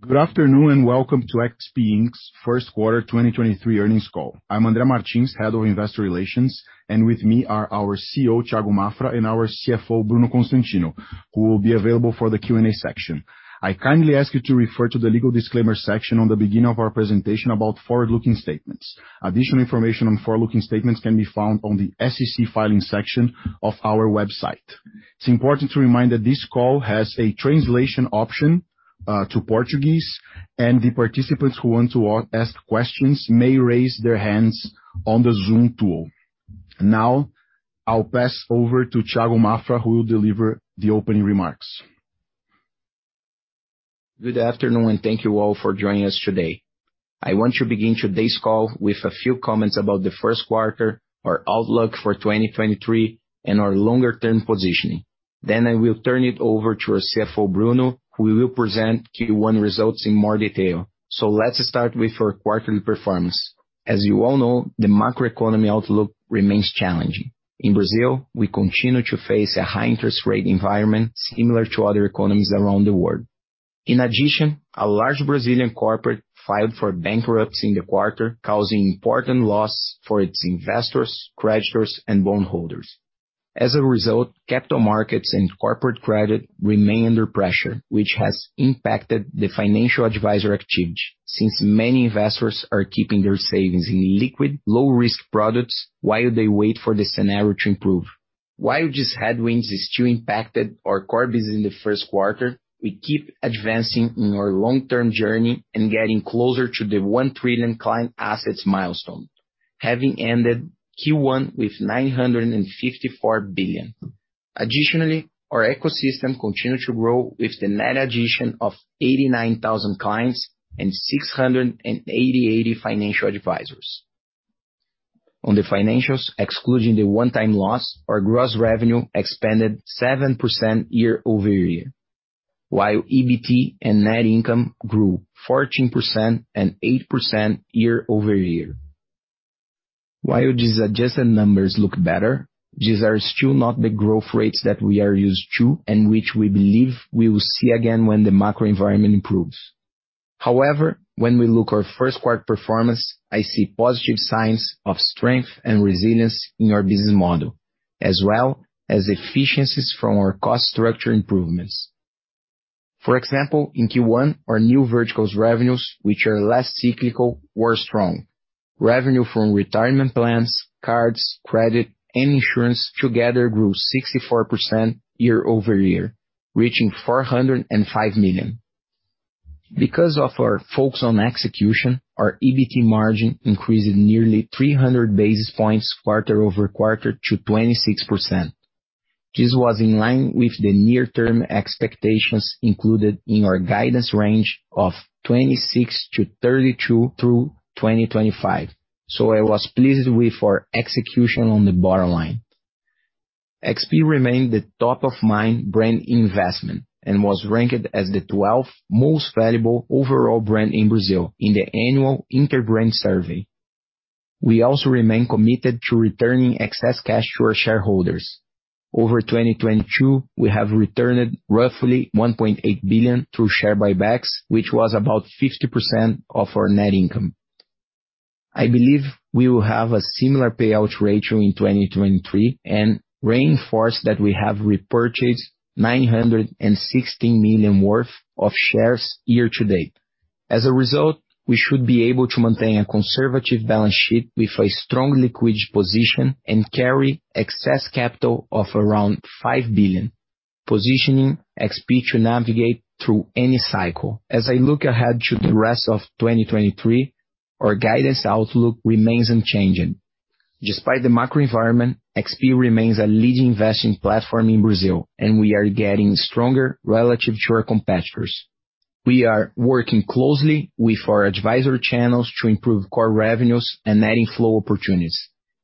Good afternoon, welcome to XP Inc.'s Q1 2023 earnings call. I'm André Martins, Head of Investor Relations, and with me are our CEO, Thiago Maffra, and our CFO, Bruno Constantino, who will be available for the Q&A section. I kindly ask you to refer to the legal disclaimer section on the beginning of our presentation about forward-looking statements. Additional information on forward-looking statements can be found on the SEC filing section of our website. It's important to remind that this call has a translation option to Portuguese, and the participants who want to ask questions may raise their hands on the Zoom tool. Now, I'll pass over to Thiago Maffra, who will deliver the opening remarks. Good afternoon, and thank you all for joining us today. I want to begin today's call with a few comments about the Q1, our outlook for 2023, and our longer-term positioning. I will turn it over to our CFO, Bruno, who will present Q1 results in more detail. Let's start with our quarterly performance. As you all know, the macroeconomy outlook remains challenging. In Brazil, we continue to face a high interest rate environment similar to other economies around the world. In addition, a large Brazilian corporate filed for bankruptcy in the quarter, causing important loss for its investors, creditors, and bondholders. As a result, capital markets and corporate credit remain under pressure, which has impacted the financial advisor activity since many investors are keeping their savings in liquid, low-risk products while they wait for the scenario to improve. While these headwinds have still impacted our core business in the Q1, we keep advancing in our long-term journey and getting closer to the 1 trillion client assets milestone. Having ended Q1 with 954 billion. Additionally, our ecosystem continued to grow with the net addition of 89,000 clients and 688 financial advisors. On the financials, excluding the one-time loss, our gross revenue expanded 7% year-over-year, while EBT and net income grew 14% and 8% year-over-year. While these adjusted numbers look better, these are still not the growth rates that we are used to and which we believe we will see again when the macroenvironment improves. However, when we look at our Q1 performance, I see positive signs of strength and resilience in our business model, as well as efficiencies from our cost structure improvements. For example, in Q1, our new verticals revenues, which are less cyclical, were strong. Revenue from retirement plans, cards, credit, and insurance together grew 64% year-over-year, reaching 405 million. Because of our focus on execution, our EBT margin increased nearly 300 basis points quarter-over-quarter to 26%. This was in line with the near-term expectations included in our guidance range of 26%-32% through 2025. I was pleased with our execution on the bottom line. XP remained the top of mind brand investment and was ranked as the 12th most valuable overall brand in Brazil in the annual Interbrand survey. We also remain committed to returning excess cash to our shareholders. Over 2022, we have returned roughly 1.8 billion through share buybacks, which was about 50% of our net income. I believe we will have a similar payout ratio in 2023, and reinforce that we have repurchased 916 million worth of shares year to date. As a result, we should be able to maintain a conservative balance sheet with a strong liquid position and carry excess capital of around 5 billion, positioning XP to navigate through any cycle. As I look ahead to the rest of 2023, our guidance outlook remains unchanging. Despite the macroenvironment, XP remains a leading investing platform in Brazil, and we are getting stronger relative to our competitors. We are working closely with our advisory channels to improve core revenues and net inflow opportunities,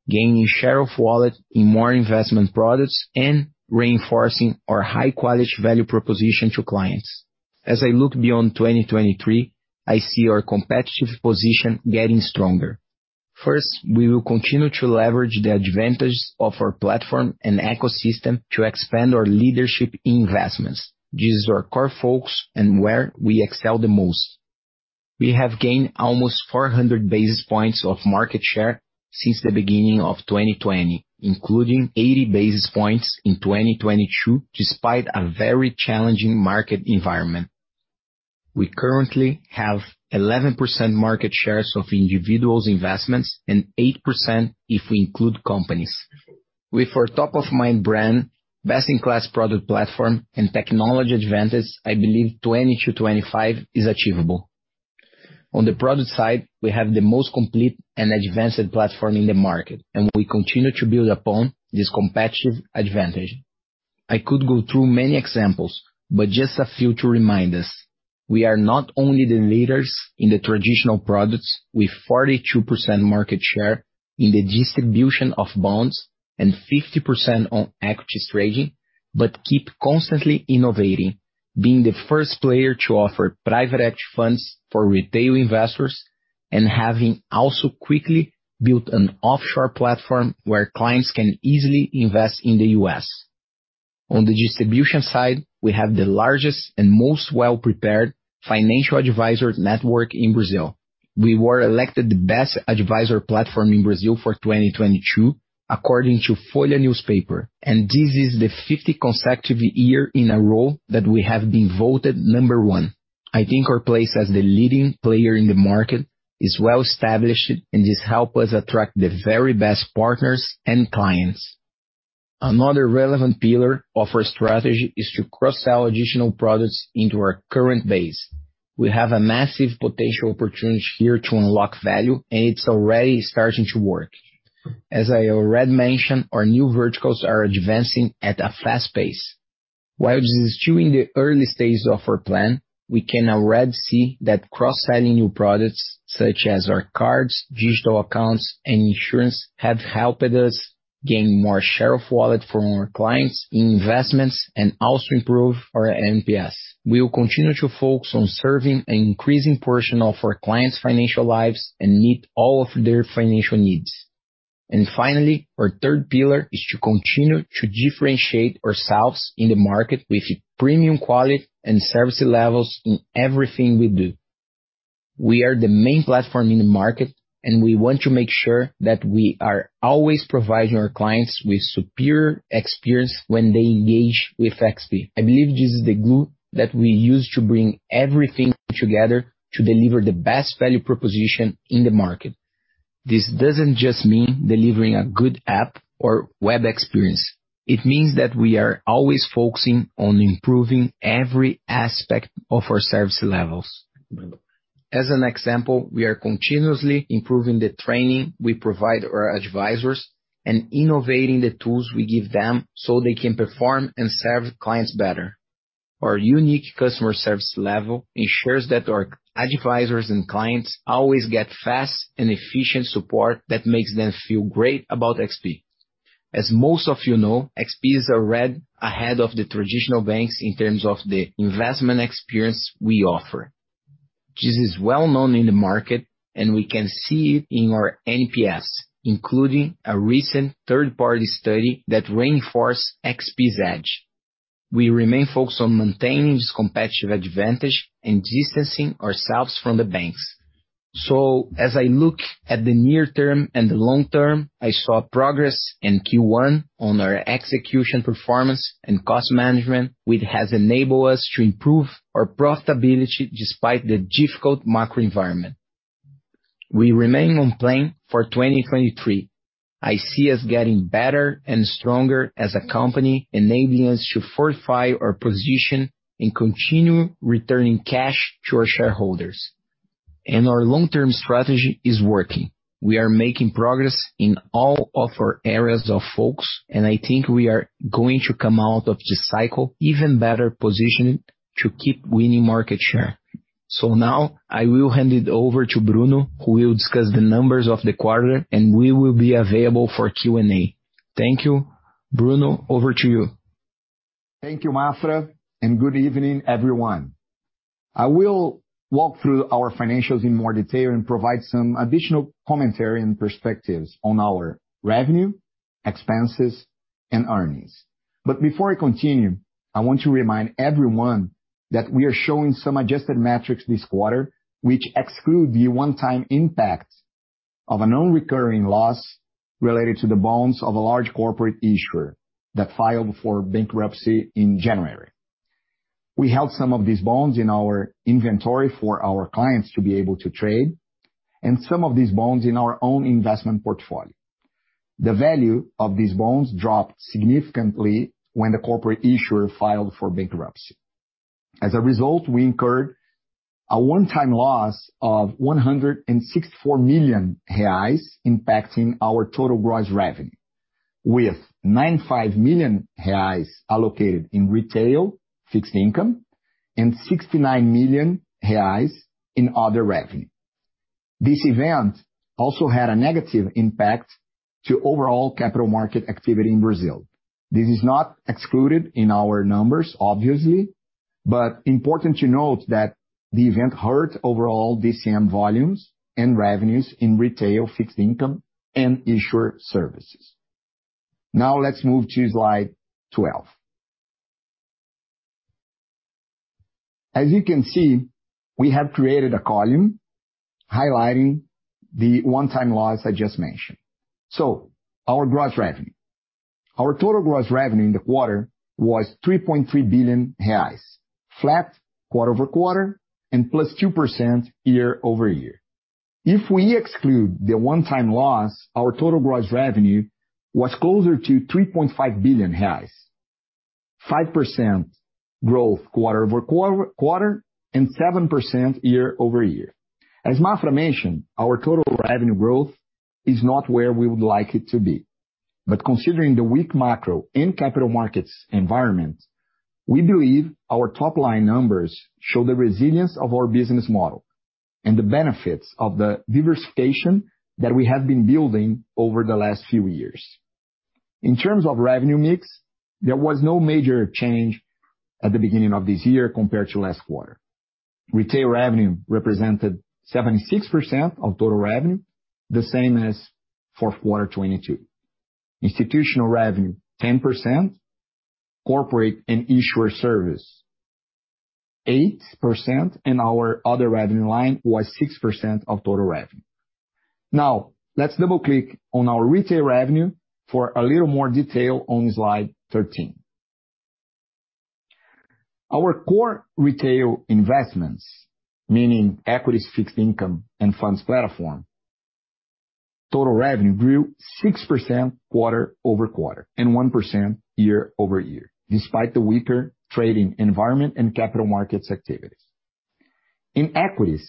gaining share of wallet in more investment products and reinforcing our high-quality value proposition to clients. As I look beyond 2023, I see our competitive position getting stronger. We will continue to leverage the advantages of our platform and ecosystem to expand our leadership investments. This is our core focus and where we excel the most. We have gained almost 400 basis points of market share since the beginning of 2020, including 80 basis points in 2022, despite a very challenging market environment. We currently have 11% market share of individual investments and 8% if we include companies. With our top of mind brand, best-in-class product platform and technology advances, I believe 20%-25% is achievable. On the product side, we have the most complete and advanced platform in the market, we continue to build upon this competitive advantage. I could go through many examples, just a few to remind us. We are not only the leaders in the traditional products with 42% market share in the distribution of bonds and 50% on equities trading, but keep constantly innovating, being the first player to offer private hedge funds for retail investors. Having also quickly built an offshore platform where clients can easily invest in the U.S. On the distribution side, we have the largest and most well-prepared financial advisor network in Brazil. We were elected the best advisor platform in Brazil for 2022 according to Folha de S.Paulo. This is the fifth consecutive year in a row that we have been voted number one. I think our place as the leading player in the market is well-established. This helps us attract the very best partners and clients. Another relevant pillar of our strategy is to cross-sell additional products into our current base. We have a massive potential opportunity here to unlock value, and it's already starting to work. As I already mentioned, our new verticals are advancing at a fast pace. While this is still in the early stages of our plan, we can already see that cross-selling new products such as our cards, digital accounts, and insurance, have helped us gain more share of wallet from our clients in investments and also improve our NPS. We will continue to focus on serving an increasing portion of our clients' financial lives and meet all of their financial needs. Finally, our third pillar is to continue to differentiate ourselves in the market with premium quality and service levels in everything we do. We are the main platform in the market, and we want to make sure that we are always providing our clients with superior experience when they engage with XP. I believe this is the glue that we use to bring everything together to deliver the best value proposition in the market. This doesn't just mean delivering a good app or web experience. It means that we are always focusing on improving every aspect of our service levels. As an example, we are continuously improving the training we provide our advisors and innovating the tools we give them so they can perform and serve clients better. Our unique customer service level ensures that our advisors and clients always get fast and efficient support that makes them feel great about XP. As most of you know, XP is already ahead of the traditional banks in terms of the investment experience we offer. This is well-known in the market, and we can see it in our NPS, including a recent third-party study that reinforces XP's edge. We remain focused on maintaining this competitive advantage and distancing ourselves from the banks. As I look at the near term and the long term, I saw progress in Q1 on our execution performance and cost management, which has enabled us to improve our profitability despite the difficult macro environment. We remain on plan for 2023. I see us getting better and stronger as a company, enabling us to fortify our position and continue returning cash to our shareholders. Our long-term strategy is working. We are making progress in all of our areas of focus, and I think we are going to come out of this cycle even better positioned to keep winning market share. Now I will hand it over to Bruno, who will discuss the numbers of the quarter, and we will be available for Q&A. Thank you. Bruno, over to you. Thank you, Maffra, and good evening, everyone. I will walk through our financials in more detail and provide some additional commentary and perspectives on our revenue, expenses, and earnings. Before I continue, I want to remind everyone that we are showing some adjusted metrics this quarter, which excludes the one-time impact of a non-recurring loss related to the bonds of a large corporate issuer that filed for bankruptcy in January. We held some of these bonds in our inventory for our clients to be able to trade, and some of these bonds in our own investment portfolio. The value of these bonds dropped significantly when the corporate issuer filed for bankruptcy. As a result, we incurred a one-time loss of 164 million reais impacting our total gross revenue, with 95 million reais allocated in retail fixed income and 69 million reais in other revenue. This event also had a negative impact to overall capital market activity in Brazil. This is not excluded in our numbers, obviously, but important to note that the event hurt overall DCM volumes and revenues in retail fixed income and issuer services. Let's move to slide 12. As you can see, we have created a column highlighting the one-time loss I just mentioned. Our gross revenue. Our total gross revenue in the quarter was 3.3 billion reais, flat quarter-over-quarter and +2% year-over-year. If we exclude the one-time loss, our total gross revenue was closer to 3.5 billion reais, 5% growth quarter-over-quarter and 7% year-over-year. As Maffra mentioned, our total revenue growth is not where we would like it to be. Considering the weak macro and capital markets environment, we believe our top-line numbers show the resilience of our business model and the benefits of the diversification that we have been building over the last few years. In terms of revenue mix, there was no major change at the beginning of this year compared to last quarter. Retail revenue represented 76% of total revenue, the same as fourth quarter 2022. Institutional revenue, 10%. Corporate and issuer services, 8%. Our other revenue line was 6% of total revenue. Let's double-click on our retail revenue for a little more detail on slide 13. Our core retail investments, meaning equities, fixed income, and funds platform, total revenue grew 6% quarter-over-quarter and 1% year-over-year, despite the weaker trading environment and capital markets activities. In equities,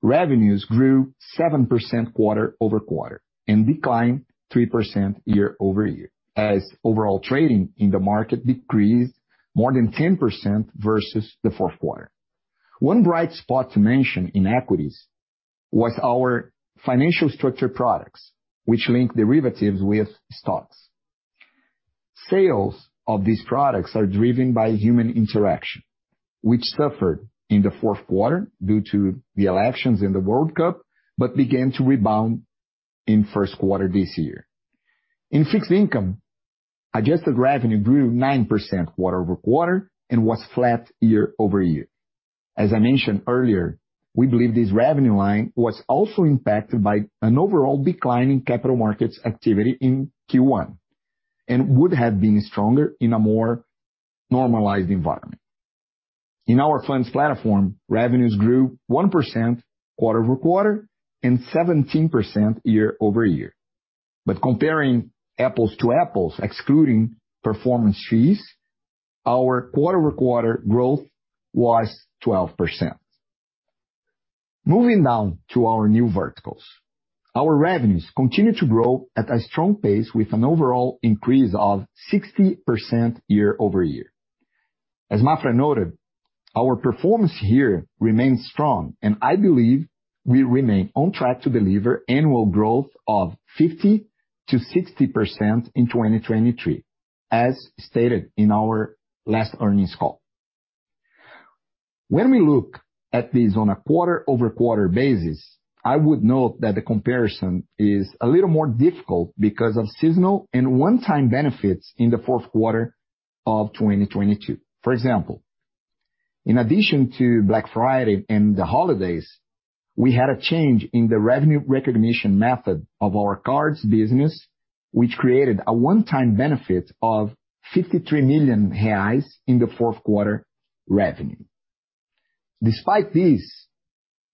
revenues grew 7% quarter-over-quarter and declined 3% year-over-year as overall trading in the market decreased more than 10% versus the Q4. One bright spot to mention in equities was our financial structure products, which link derivatives with stocks. Sales of these products are driven by human interaction, which suffered in the Q4 due to the elections and the World Cup, but began to rebound in Q1 this year. In fixed income, adjusted revenue grew 9% quarter-over-quarter and was flat year-over-year. As I mentioned earlier, we believe this revenue line was also impacted by an overall decline in capital markets activity in Q1, and would have been stronger in a more normalized environment. In our funds platform, revenues grew 1% quarter-over-quarter and 17% year-over-year. Comparing apples to apples, excluding performance fees, our quarter-over-quarter growth was 12%. Moving down to our new verticals. Our revenues continue to grow at a strong pace with an overall increase of 60% year-over-year. As Thiago Maffra noted, our performance here remains strong, and I believe we remain on track to deliver annual growth of 50%-60% in 2023, as stated in our last earnings call. When we look at this on a quarter-over-quarter basis, I would note that the comparison is a little more difficult because of seasonal and one-time benefits in Q4 2022. For example, in addition to Black Friday and the holidays, we had a change in the revenue recognition method of our cards business, which created a one-time benefit of 53 million reais in the Q4 revenue. Despite this,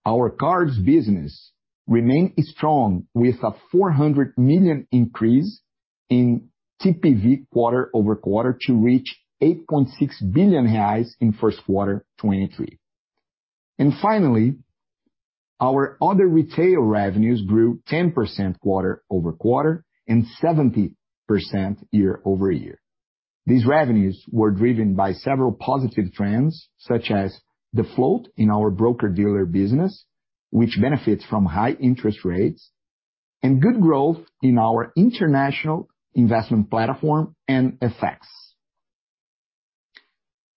our cards business remains strong with a 400 million increase in TPV quarter-over-quarter to reach BRL 8.6 billion in Q1 2023. Finally, our other retail revenues grew 10% quarter-over-quarter and 70% year-over-year. These revenues were driven by several positive trends, such as the float in our broker-dealer business, which benefits from high interest rates, and good growth in our international investment platform and FX.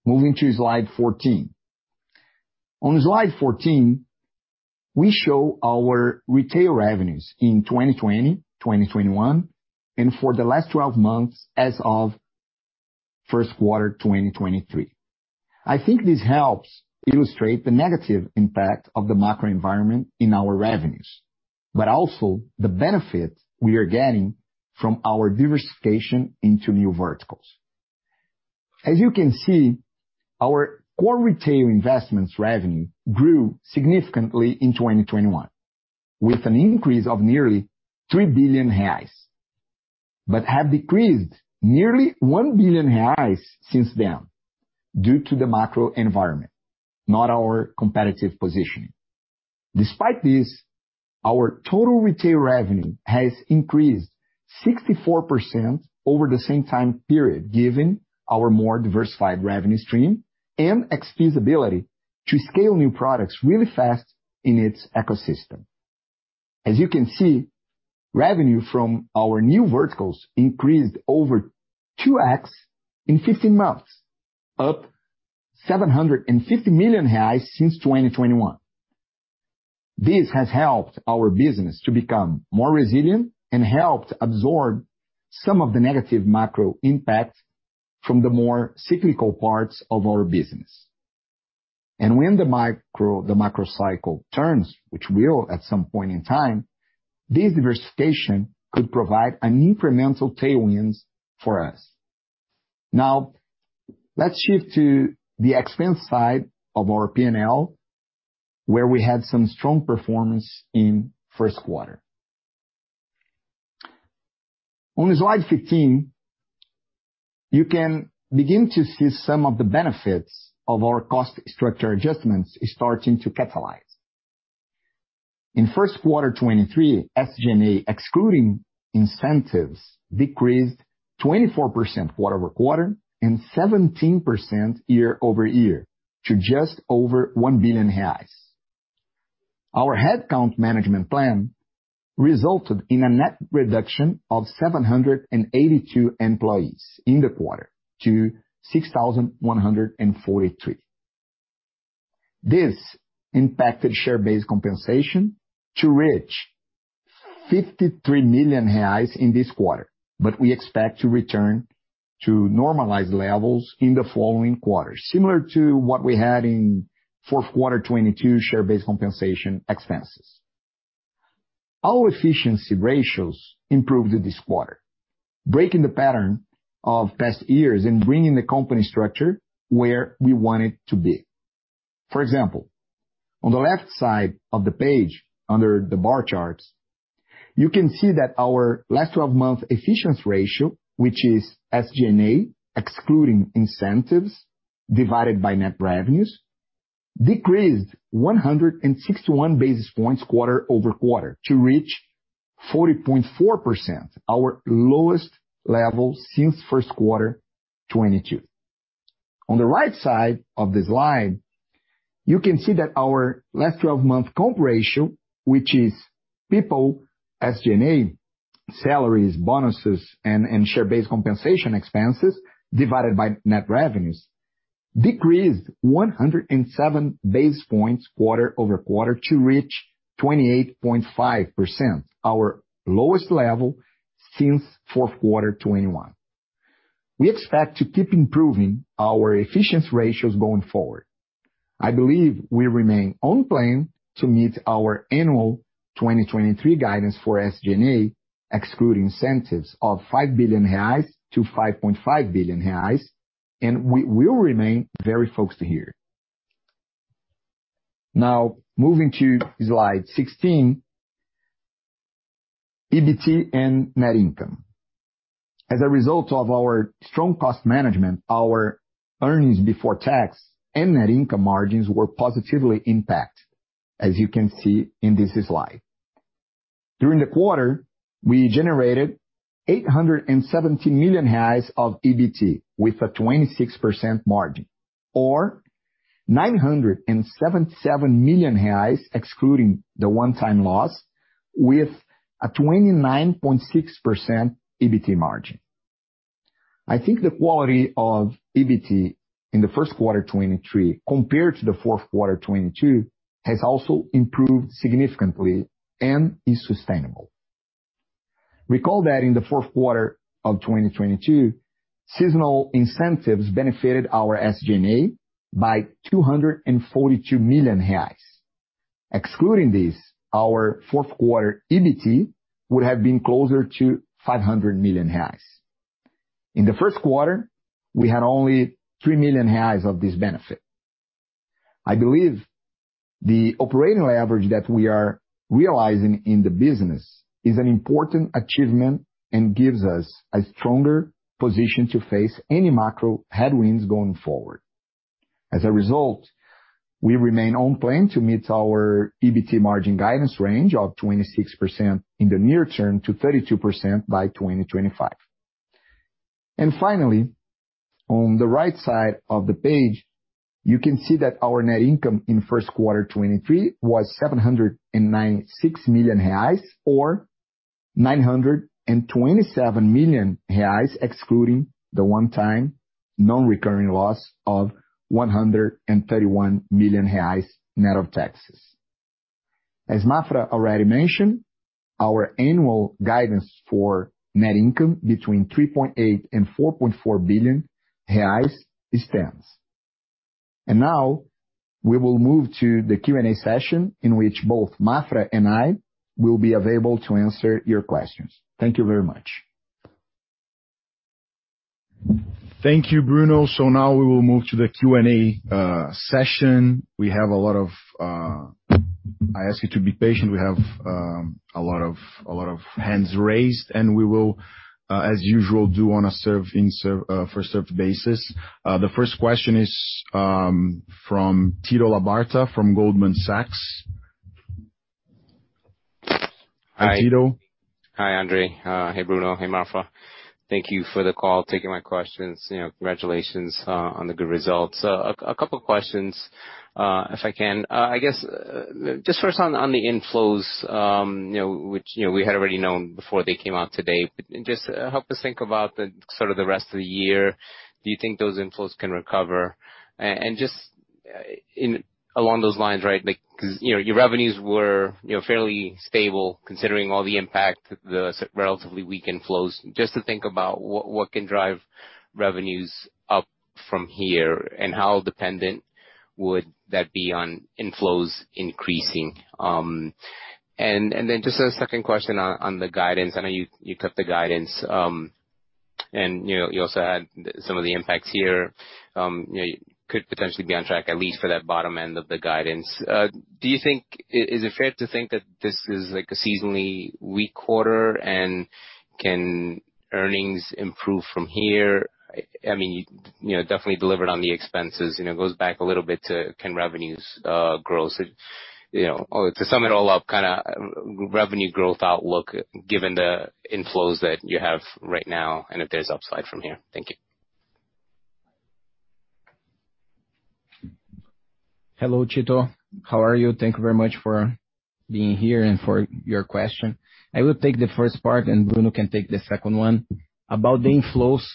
Moving to slide 14. On slide 14, we show our retail revenues in 2020, 2021, and for the last 12 months as of Q1 2023. I think this helps illustrate the negative impact of the macro environment in our revenues, but also the benefit we are getting from our diversification into new verticals. As you can see, our core retail investments revenue grew significantly in 2021, with an increase of nearly 3 billion reais. Have decreased nearly 1 billion reais since then due to the macro environment, not our competitive positioning. Despite this, our total retail revenue has increased 64% over the same time period, given our more diversified revenue stream and XP's ability to scale new products really fast in its ecosystem. As you can see, revenue from our new verticals increased over 2x in 15 months, up 750 million reais since 2021. This has helped our business to become more resilient and helped absorb some of the negative macro impact from the more cyclical parts of our business. When the macro cycle turns, which will at some point in time, this diversification could provide an incremental tailwind for us. Let's shift to the expense side of our P&L, where we had some strong performance in Q1. On slide 15, you can begin to see some of the benefits of our cost structure adjustments starting to catalyze. In Q1 2023, SG&A, excluding incentives, decreased 24% quarter-over-quarter and 17% year-over-year to just over 1 billion reais. Our headcount management plan resulted in a net reduction of 782 employees in the quarter to 6,143. This impacted share-based compensation to reach 53 million reais in this quarter. We expect to return to normalized levels in the following quarters, similar to what we had in Q4 2022 share-based compensation expenses. Our efficiency ratios improved in this quarter, breaking the pattern of past years and bringing the company structure where we want it to be. For example, on the left side of the page under the bar charts, you can see that our last 12-month efficiency ratio, which is SG&A, excluding incentives divided by net revenues, decreased 161 basis points quarter-over-quarter to reach 40.4%, our lowest level since Q1 2022. On the right side of the slide, you can see that our last 12-month comp ratio, which is people, SG&A, salaries, bonuses and share-based compensation expenses divided by net revenues, decreased 107 basis points quarter-over-quarter to reach 28.5%, our lowest level since Q4 2021. We expect to keep improving our efficiency ratios going forward. I believe we remain on plan to meet our annual 2023 guidance for SG&A, excluding incentives of 5 billion reais to 5.5 billion reais, we will remain very focused here. Moving to slide 16, EBT and net income. As a result of our strong cost management, our earnings before tax and net income margins were positively impacted, as you can see in this slide. During the quarter, we generated 870 million reais of EBT with a 26% margin, or 977 million reais, excluding the one-time loss with a 29.6% EBT margin. I think the quality of EBT in the Q1 2023 compared to the Q4 2022 has also improved significantly and is sustainable. Recall that in the Q4 of 2022, seasonal incentives benefited our SG&A by 242 million reais. Excluding this, our Q4 EBT would have been closer to 500 million reais. In the Q1, we had only 3 million reais of this benefit. I believe the operating leverage that we are realizing in the business is an important achievement and gives us a stronger position to face any macro headwinds going forward. As a result, we remain on plan to meet our EBT margin guidance range of 26% in the near term to 32% by 2025. Finally, on the right side of the page, you can see that our net income in Q1 2023 was 796 million reais, or 927 million reais, excluding the one-time non-recurring loss of 131 million reais net of taxes. As Maffra already mentioned, our annual guidance for net income between 3.8 billion-4.4 billion reais stands. Now we will move to the Q&A session in which both Maffra and I will be available to answer your questions. Thank you very much. Thank you, Bruno. Now we will move to the Q&A session. We have a lot of, I ask you to be patient. We have a lot of hands raised and we will, as usual, do on a first-served basis. The first question is from Tito Labarta from Goldman Sachs. Hi, Tito. Hi, André Martins. Hey, Bruno Constantino. Hey, Thiago Maffra. Thank you for the call, taking my questions. You know, congratulations on the good results. A couple questions, if I can. I guess, just first on the inflows, you know, which, you know, we had already known before they came out today. Just help us think about the sort of the rest of the year, do you think those inflows can recover? And just in along those lines, right, like, 'cause, you know, your revenues were, you know, fairly stable considering all the impact, the relatively weak inflows. Just to think about what can drive revenues up from here, and how dependent would that be on inflows increasing? And then just a second question on the guidance. I know you took the guidance, and, you know, you also had some of the impacts here. You know, could potentially be on track, at least for that bottom end of the guidance. Do you think is it fair to think that this is like a seasonally weak quarter? Can earnings improve from here? I mean, you know, definitely delivered on the expenses, you know, it goes back a little bit to can revenues grow. You know, to sum it all up, kinda revenue growth outlook given the inflows that you have right now, and if there's upside from here. Thank you. Hello, Tito. How are you? Thank you very much for being here and for your question. I will take the first part, and Bruno can take the second one. About the inflows,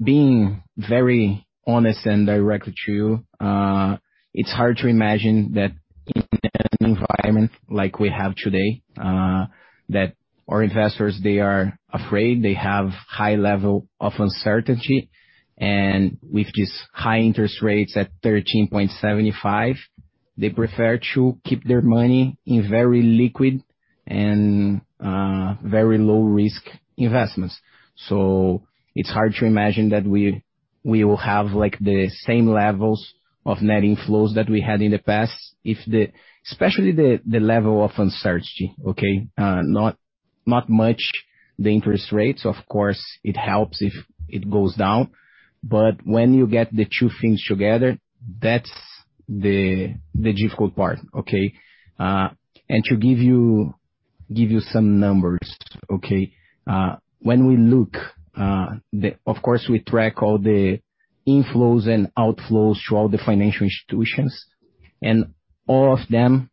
being very honest and direct with you, it's hard to imagine that in an environment like we have today, that our investors, they are afraid, they have a high level of uncertainty. With these high interest rates at 13.75%, they prefer to keep their money in very liquid and very low-risk investments. It's hard to imagine that we will have, like, the same levels of net inflows that we had in the past. Especially the level of uncertainty, okay? Not much the interest rates. Of course, it helps if it goes down. When you get the two things together, that's the difficult part, okay? To give you some numbers, okay? When we look, of course, we track all the inflows and outflows to all the financial institutions, and all of them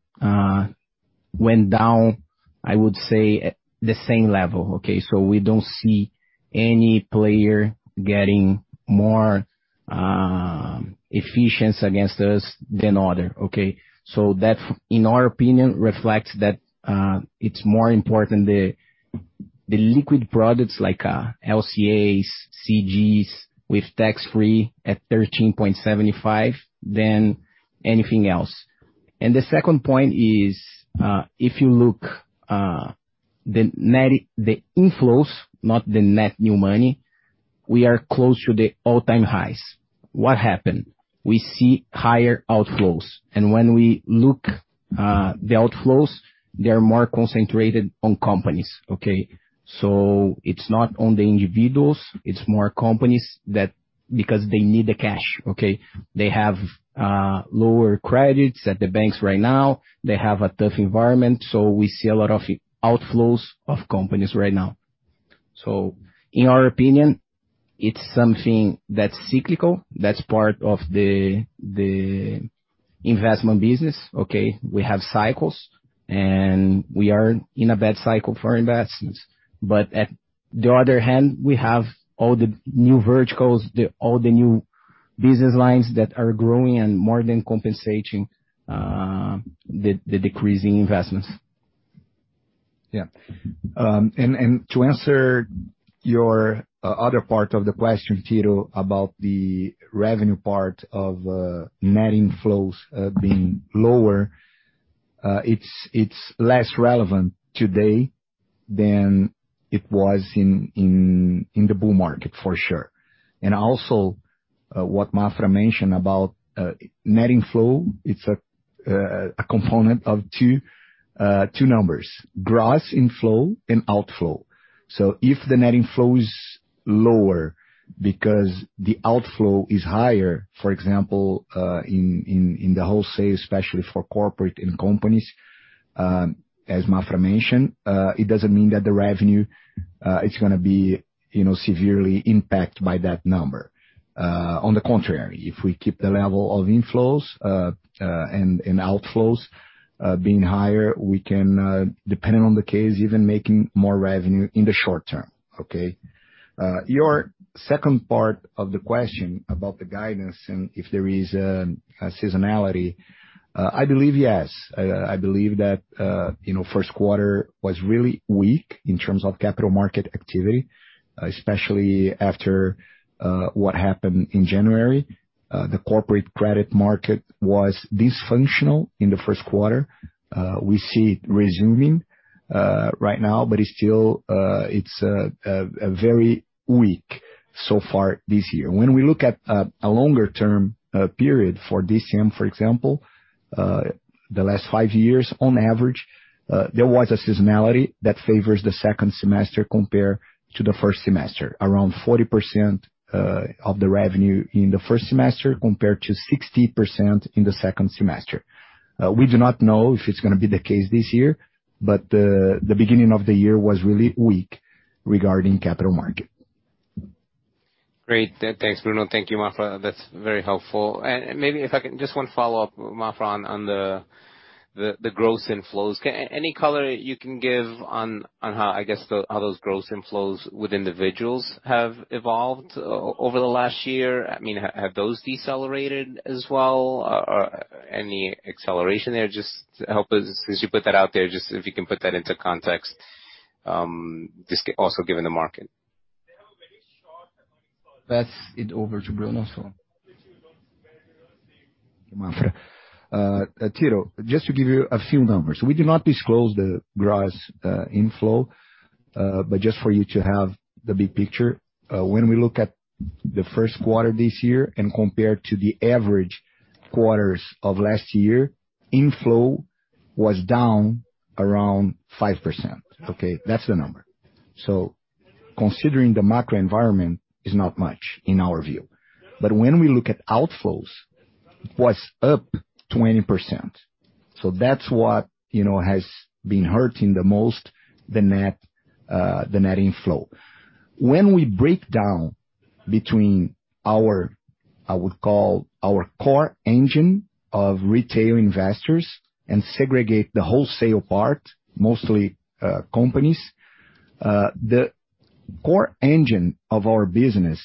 went down, I would say at the same level, okay? We don't see any player getting more efficiency against us than other, okay? That, in our opinion, reflects that it's more important the liquid products like LCAs and CRIs, tax-free at 13.75% than anything else. The second point is, if you look, the inflows, not the net-new money, we are close to the all-time highs. What happened? We see higher outflows. When we look, the outflows, they are more concentrated on companies, okay? It's not on the individuals, it's more companies because they need the cash, okay. They have lower credits at the banks right now. They have a tough environment, so we see a lot of outflows of companies right now. In our opinion, it's something that's cyclical, that's part of the investment business, okay. We have cycles, and we are in a bad cycle for investments. On the other hand, we have all the new verticals, all the new business lines that are growing and more than compensating the decreasing investments. Yeah. And to answer your other part of the question, Tito Labarta, about the revenue part of net inflows being lower, it's less relevant today than it was in the bull market for sure. What Thiago Maffra mentioned about net inflow, it's a component of two numbers, gross inflow and outflow. If the net inflow is lower because the outflow is higher, for example, in the wholesale, especially for corporate and companies, as Thiago Maffra mentioned, it doesn't mean that the revenue it's gonna be, you know, severely impacted by that number. On the contrary, if we keep the level of inflows and outflows being higher, we can, depending on the case, even making more revenue in the short term, okay. Your second part of the question about the guidance and if there is a seasonality, I believe yes. I believe that, you know, Q1 was really weak in terms of capital market activity, especially after what happened in January. The corporate credit market was dysfunctional in the Q1. We see it resuming right now, but it's still very weak so far this year. When we look at a longer term period for DCM, for example, the last five years on average, there was a seasonality that favors the second semester compared to the first semester. Around 40% of the revenue in the first semester compared to 60% in the second semester. We do not know if it's gonna be the case this year. The beginning of the year was really weak regarding capital market. Great. Thanks, Bruno. Thank you, Maffra. That's very helpful. Maybe if I can. Just one follow-up, Maffra, on the gross inflows. Any color you can give on how, I guess, how those gross inflows with individuals have evolved over the last year? I mean, have those decelerated as well? Any acceleration there? Just to help us, since you put that out there, just if you can put that into context, just also given the market. Pass it over to Bruno. Thank you, Maffra. Tito, just to give you a few numbers. We do not disclose the gross inflow, just for you to have the big picture, when we look at the Q1 this year and compare to the average quarters of last year, inflow was down by around 5%, okay? That's the number. Considering the macro environment is not much in our view. When we look at outflows, it was up 20%. That's what, you know, has been hurting the most the net, the net inflow. When we break down between our, I would call our core engine of retail investors and segregate the wholesale part, mostly, companies. The core engine of our business,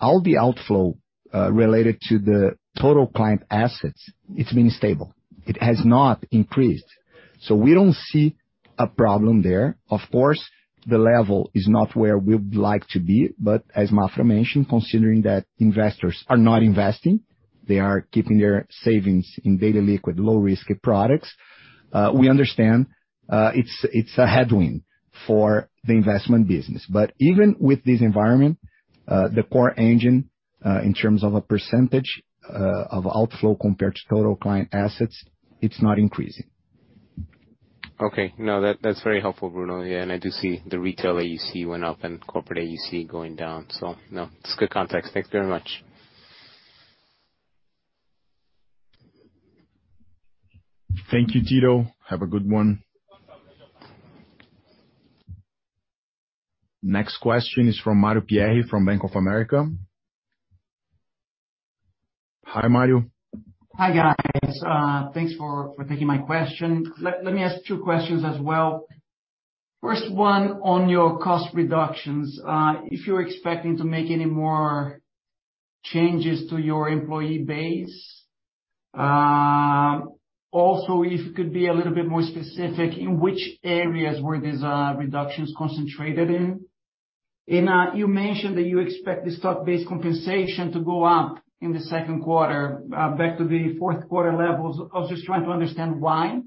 all the outflow, related to the total client assets, it's been stable. It has not increased. We don't see a problem there. Of course, the level is not where we'd like to be, but as Mario Pierry mentioned, considering that investors are not investing, they are keeping their savings in daily-liquid, low-risk products. We understand, it's a headwind for the investment business. Even with this environment, the core engine, in terms of a percentage, of outflow compared to total client assets, it's not increasing. Okay. No, that's very helpful, Bruno. Yeah. I do see the retail AUC went up and corporate AUC going down. No, it's good context. Thanks very much. Thank you, Tito. Have a good one. Next question is from Mario Pierry from Bank of America. Hi, Mario. Hi, guys. Thanks for taking my question. Let me ask two questions as well. First one on your cost reductions, if you're expecting to make any more changes to your employee base. Also, if you could be a little bit more specific in which areas were these reductions concentrated in? You mentioned that you expect the stock-based compensation to go up in the Q2, back to the Q4 levels. I was just trying to understand why.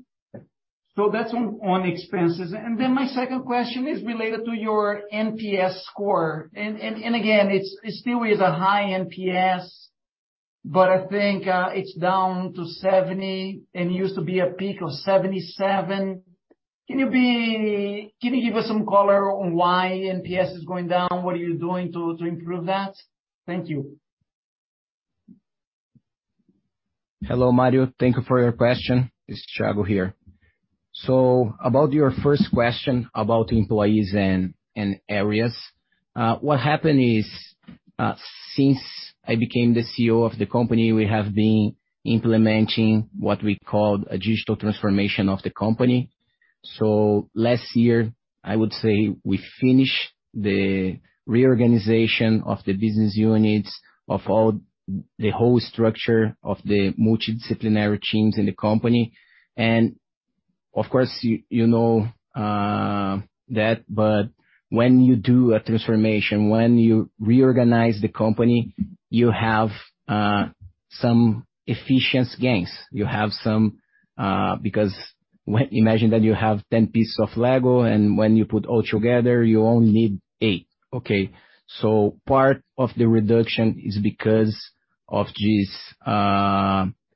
That's on expenses. My second question is related to your NPS score. Again, it still is a high NPS, but I think it's down to 70 and it used to be a peak of 77. Can you give us some color on why NPS is going down? What are you doing to improve that? Thank you. Hello, Mario. Thank you for your question. It's Thiago here. About your first question about employees and areas. What happened is since I became the CEO of the company, we have been implementing what we call a digital transformation of the company. Last year, I would say we finished the reorganization of the business units, the whole structure of the multidisciplinary teams in the company. Of course, you know, that, but when you do a transformation, when you reorganize the company, you have some efficient gains. You have some because when. Imagine that you have 10 pieces of Lego, and when you put all together, you only need eight. Okay. Part of the reduction is because of this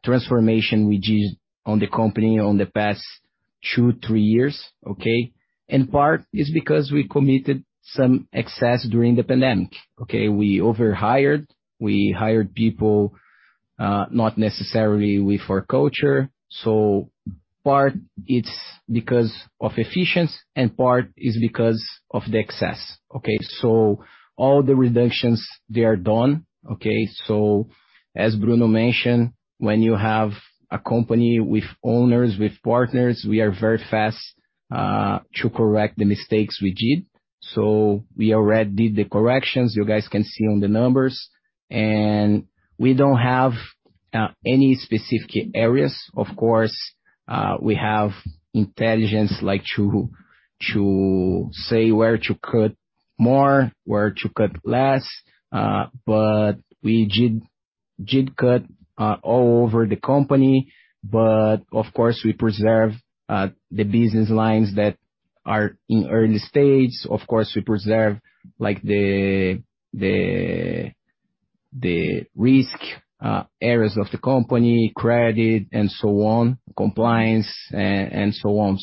transformation we did on the company on the past two, three years, okay? Part is because we committed some excess during the pandemic. Okay? We over-hired, we hired people, not necessarily with our culture. Part, it's because of efficiency and part is because of the excess. Okay? All the reductions, they are done. Okay? As Bruno mentioned, when you have a company with owners, with partners, we are very fast to correct the mistakes we did. We already did the corrections. You guys can see on the numbers. We don't have any specific areas. Of course, we have intelligence like to say where to cut more, where to cut less, but we did cut all over the company. Of course, we preserve the business lines that are in early stage. We preserve like the risk areas of the company, credit and so on, compliance and so on.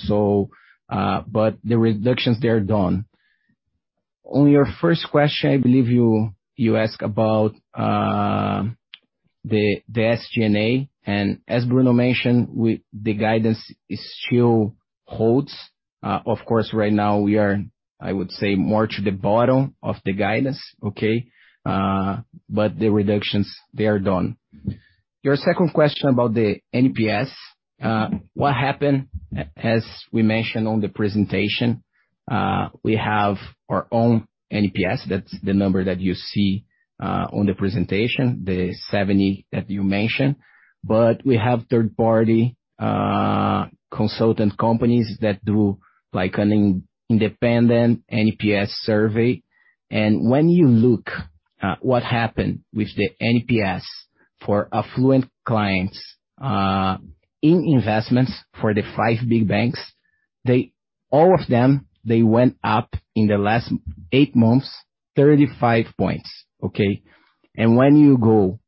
The reductions, they are done. On your first question, I believe you asked about the SG&A. As Bruno mentioned, the guidance it still holds. Right now we are, I would say, more to the bottom of the guidance. Okay? The reductions, they are done. Your second question about the NPS. What happened, as we mentioned on the presentation, we have our own NPS. That's the number that you see on the presentation, the 70 that you mentioned. We have third-party consultant companies that do like an independent NPS survey. When you look at what happened with the NPS for affluent clients, in investments for the five big banks, all of them, they went up in the last eight months, 35 points. Okay? When you go,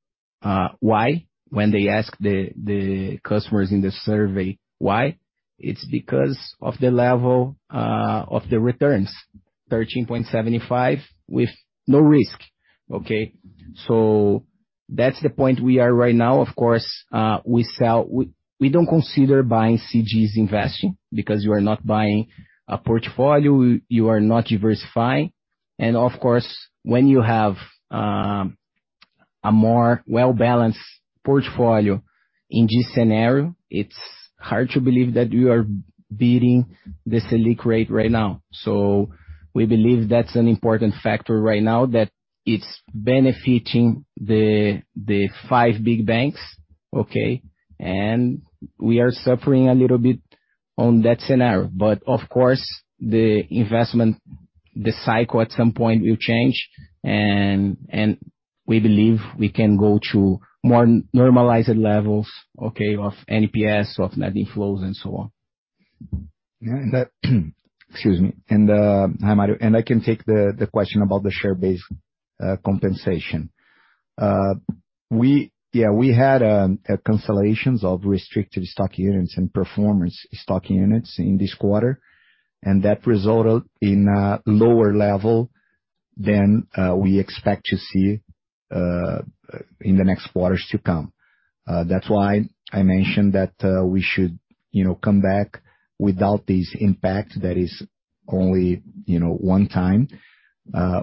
why, when they ask the customers in the survey why, it's because of the level of returns. 13.75 with no risk, okay? That's the point we are right now. Of course, we don't consider buying CRIs investing because you are not buying a portfolio, you are not diversifying. Of course, when you have a more well-balanced portfolio in this scenario, it's hard to believe that you are beating the Selic rate right now. We believe that's an important factor right now, that it's benefiting the five big banks, okay? We are suffering a little bit on that scenario. Of course, the investment, the cycle at some point will change, and we believe we can go to more normalized levels, okay, of NPS, of net inflows and so on. Excuse me. Hi, Mario. I can take the question about the share-based compensation. Yeah, we had a consolidations of restricted stock units and performance stock units in this quarter, and that resulted in a lower level than we expect to see in the next quarters to come. That's why I mentioned that we should, you know, come back without this impact that is only, you know, one-time.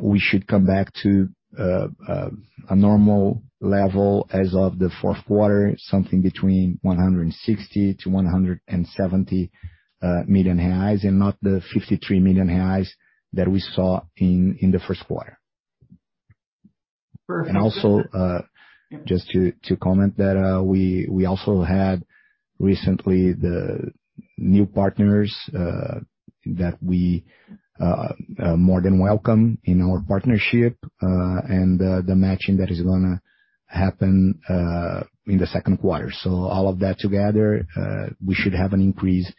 We should come back to a normal level as of the Q4, something between 160 million-170 million reais, and not the 53 million reais that we saw in the Q1. Perfect. Also, just to comment that we also had recently the new partners that we more than welcome in our partnership, and the matching that is gonna happen in the Q2. All of that together, we should have an increase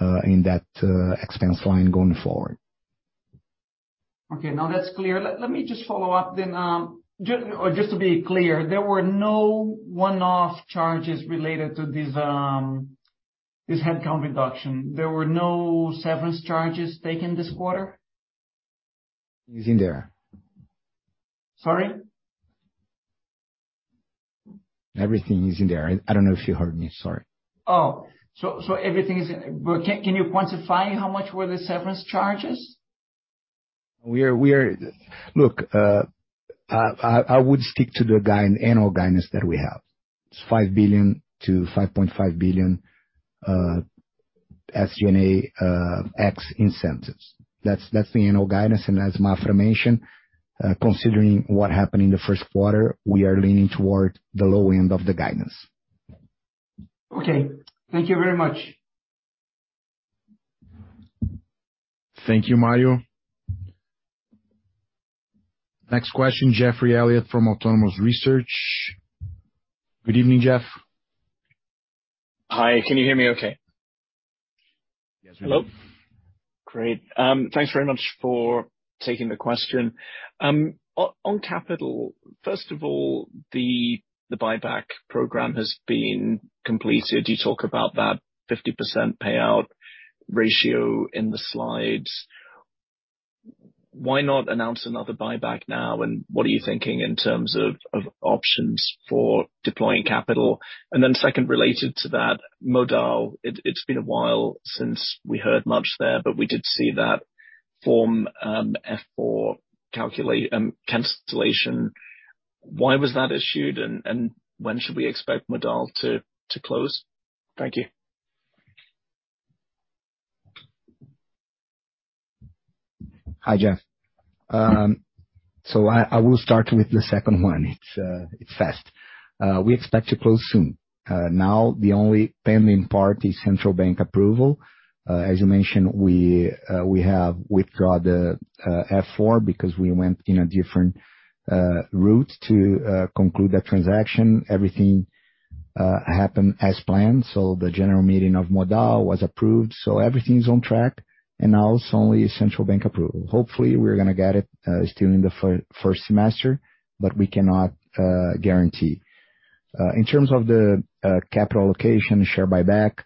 in that expense line going forward. Now that's clear. Let me just follow up then. Or just to be clear, there were no one-off charges related to this headcount reduction. There were no severance charges taken this quarter? It's in there. Sorry? Everything is in there. I don't know if you heard me. Sorry. Oh. So everything is in, can you quantify how much were the severance charges? We are. Look, I would stick to the guide, annual guidance that we have. It's 5 billion-5.5 billion SG&A ex incentives. That's the annual guidance. As Maffra mentioned, considering what happened in the Q1, we are leaning toward the low end of the guidance. Okay. Thank you very much. Thank you, Mario. Next question, Geoff Elliott from Autonomous Research. Good evening, Jeff. Hi. Can you hear me okay? Yes, we can. Hello. Great. Thanks very much for taking the question. On capital, first of all, the buyback program has been completed. You talk about that 50% payout ratio in the slides. Why not announce another buyback now, and what are you thinking in terms of options for deploying capital? Second, related to that, Modal. It's been a while since we heard much there, but we did see that Form F-4 cancellation. Why was that issued, and when should we expect Modal to close? Thank you. Hi, Geoff. I will start with the second one. It's fast. We expect to close soon. Now the only pending part is central bank approval. As you mentioned, we have withdrawn the Form F-4 because we went in a different route to conclude that transaction. Everything happened as planned. The general meeting of Banco Modal was approved, everything is on track. Now it's only central bank approval. Hopefully, we're gonna get it still in the first semester, we cannot guarantee. In terms of the capital allocation share buyback,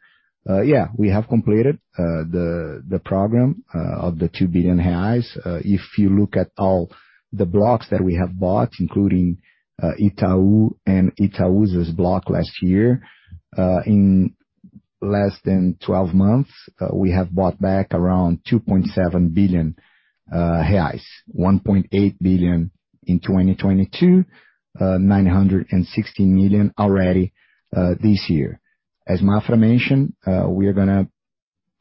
we have completed the program of the 2 billion reais. If you look at all the blocks that we have bought, including Itaú and Itaú's block last year, in less than 12 months, we have bought back around 2.7 billion reais. 1.8 billion in 2022, 960 million already this year. As Thiago Maffra mentioned, we are gonna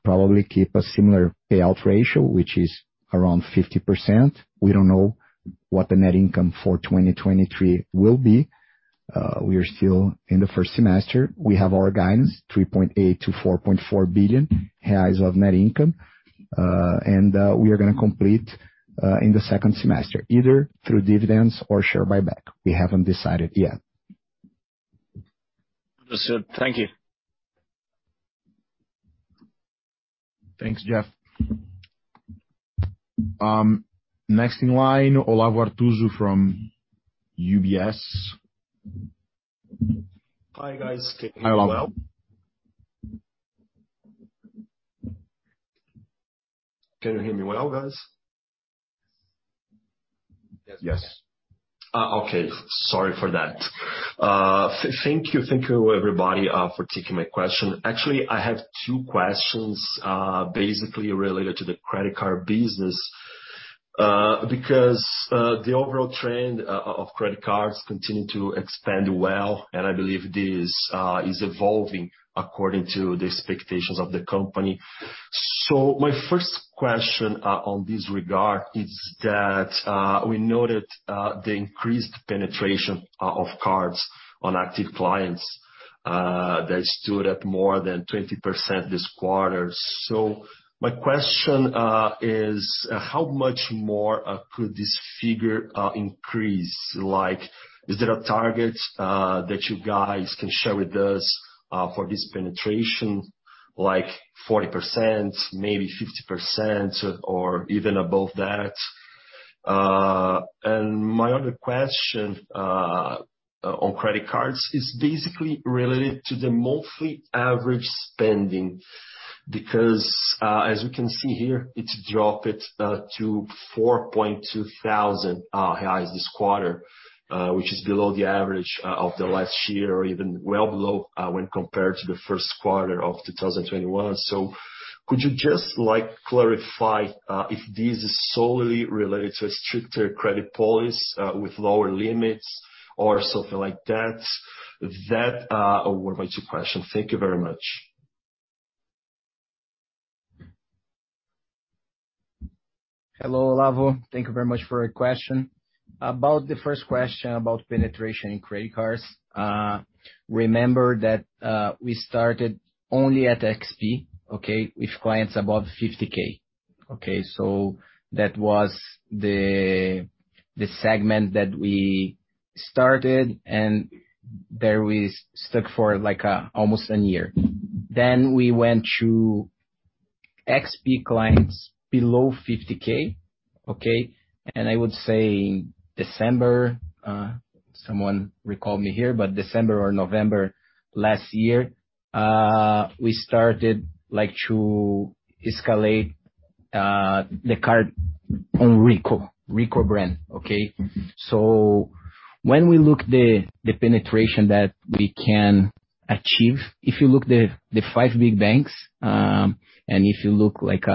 probably keep a similar payout ratio, which is around 50%. We don't know what the net income for 2023 will be. We are still in the first semester. We have our guidance, 3.8 billion-4.4 billion reais of net income. We are gonna complete in the second semester, either through dividends or share buyback. We haven't decided yet. Understood. Thank you. Thanks, Jeff. next in line, Olavo Arthuzo from UBS. Hi, guys. Hi, Olavo. Can you hear me well, guys? Yes. Sorry for that. Thank you, everybody, for taking my question. Actually, I have two questions, basically related to the credit card business. The overall trend of credit cards continue to expand well, and I believe this is evolving according to the expectations of the company. My first question on this regard is that we noted the increased penetration of cards on active clients that stood at more than 20% this quarter. My question is, how much more could this figure increase? Like, is there a target that you guys can share with us for this penetration, like 40%, maybe 50%, or even above that? My other question on credit cards is basically related to the monthly average spending. As we can see here, it's dropped to 4,200 reais this quarter, which is below the average of the last year or even well below when compared to the Q1 of 2021. Could you just, like, clarify if this is solely related to a stricter credit policy with lower limits or something like that? That were my two questions. Thank you very much. Hello, Olavo. Thank you very much for your question. About the first question about penetration in credit cards, remember that we started only at XP, okay, with clients above 50K. Okay? That was the segment that we started, and there we stuck for, like, almost an year. We went to XP clients below 50K. Okay? I would say December, someone recall me here, but December or November last year, we started, like, to escalate the card on Rico brand. Okay? When we look the penetration that we can achieve, if you look the five big banks, and if you look like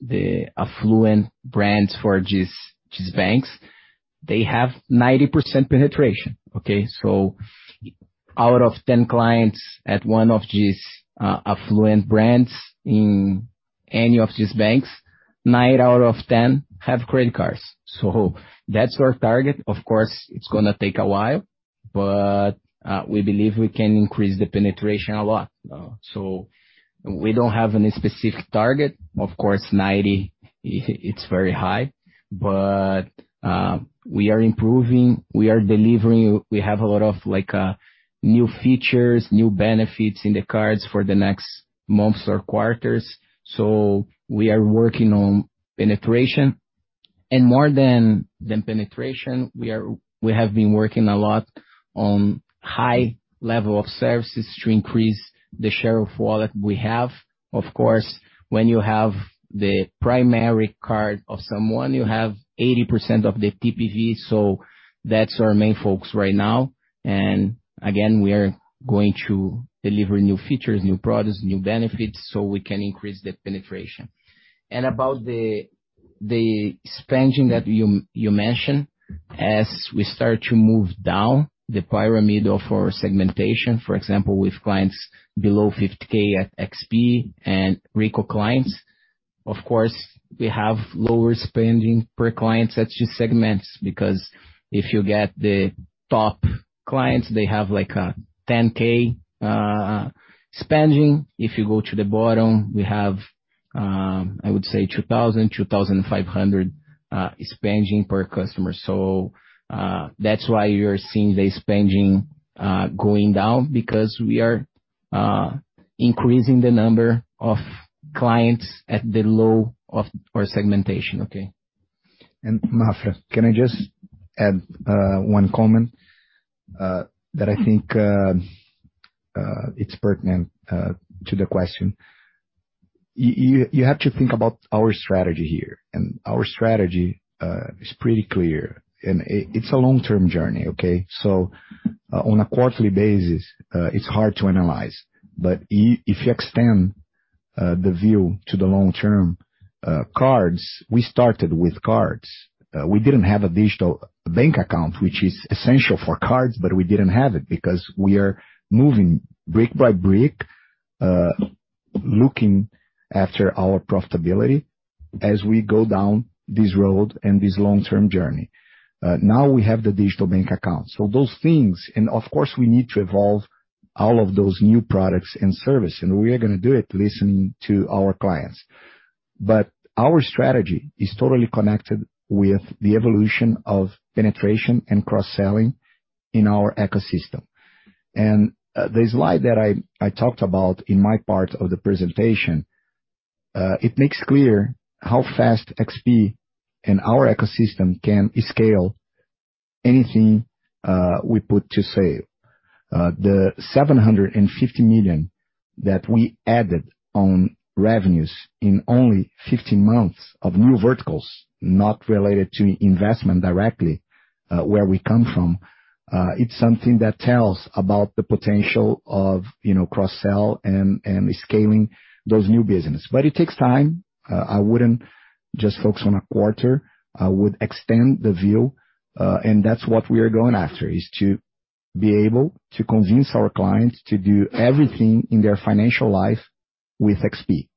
the affluent brands for these banks, they have 90% penetration. Out of 10 clients at one of these affluent brands in any of these banks, nine out of 10 have credit cards. That's our target. Of course, it's gonna take a while, but we believe we can increase the penetration a lot. We don't have any specific target. Of course, 90, it's very high. We are improving, we are delivering. We have a lot of, like, new features, new benefits in the cards for the next months or quarters. We are working on penetration. More than penetration, we have been working a lot on high level of service to increase the share of wallet we have. Of course, when you have the primary card of someone, you have 80% of the TPV. That's our main focus right now. Again, we are going to deliver new features, new products, new benefits, so we can increase the penetration. About the spending that you mentioned, as we start to move down the pyramid of our segmentation, for example, with clients below 50K at XP and Rico clients. Of course, we have lower spending per client at these segments, because if you get the top clients, they have, like 10K spending. If you go to the bottom, we have, I would say 2,000, 2,500 spending per customer. That's why you're seeing the spending going down because we are increasing the number of clients at the low of our segmentation. Okay. Maffra, can I just add one comment that I think it's pertinent to the question. You have to think about our strategy here, and our strategy is pretty clear. It's a long-term journey, okay? On a quarterly basis, it's hard to analyze. If you extend the view to the long term, cards, we started with cards. We didn't have a digital bank account, which is essential for cards, but we didn't have it because we are moving brick by brick, looking after our profitability as we go down this road and this long-term journey. Now we have the digital bank account. Those things, and of course, we need to evolve all of those new products and service, and we are gonna do it listening to our clients. Our strategy is totally connected with the evolution of penetration and cross-selling in our ecosystem. The slide that I talked about in my part of the presentation. It makes clear how fast XP and our ecosystem can scale anything we put to sail. The 750 million that we added on revenues in only 15 months of new verticals, not related to investment directly, where we come from, it's something that tells about the potential of, you know, cross-sell and scaling those new business. It takes time. I wouldn't just focus on a quarter. I would extend the view. That's what we are going after, is to be able to convince our clients to do everything in their financial life with XP.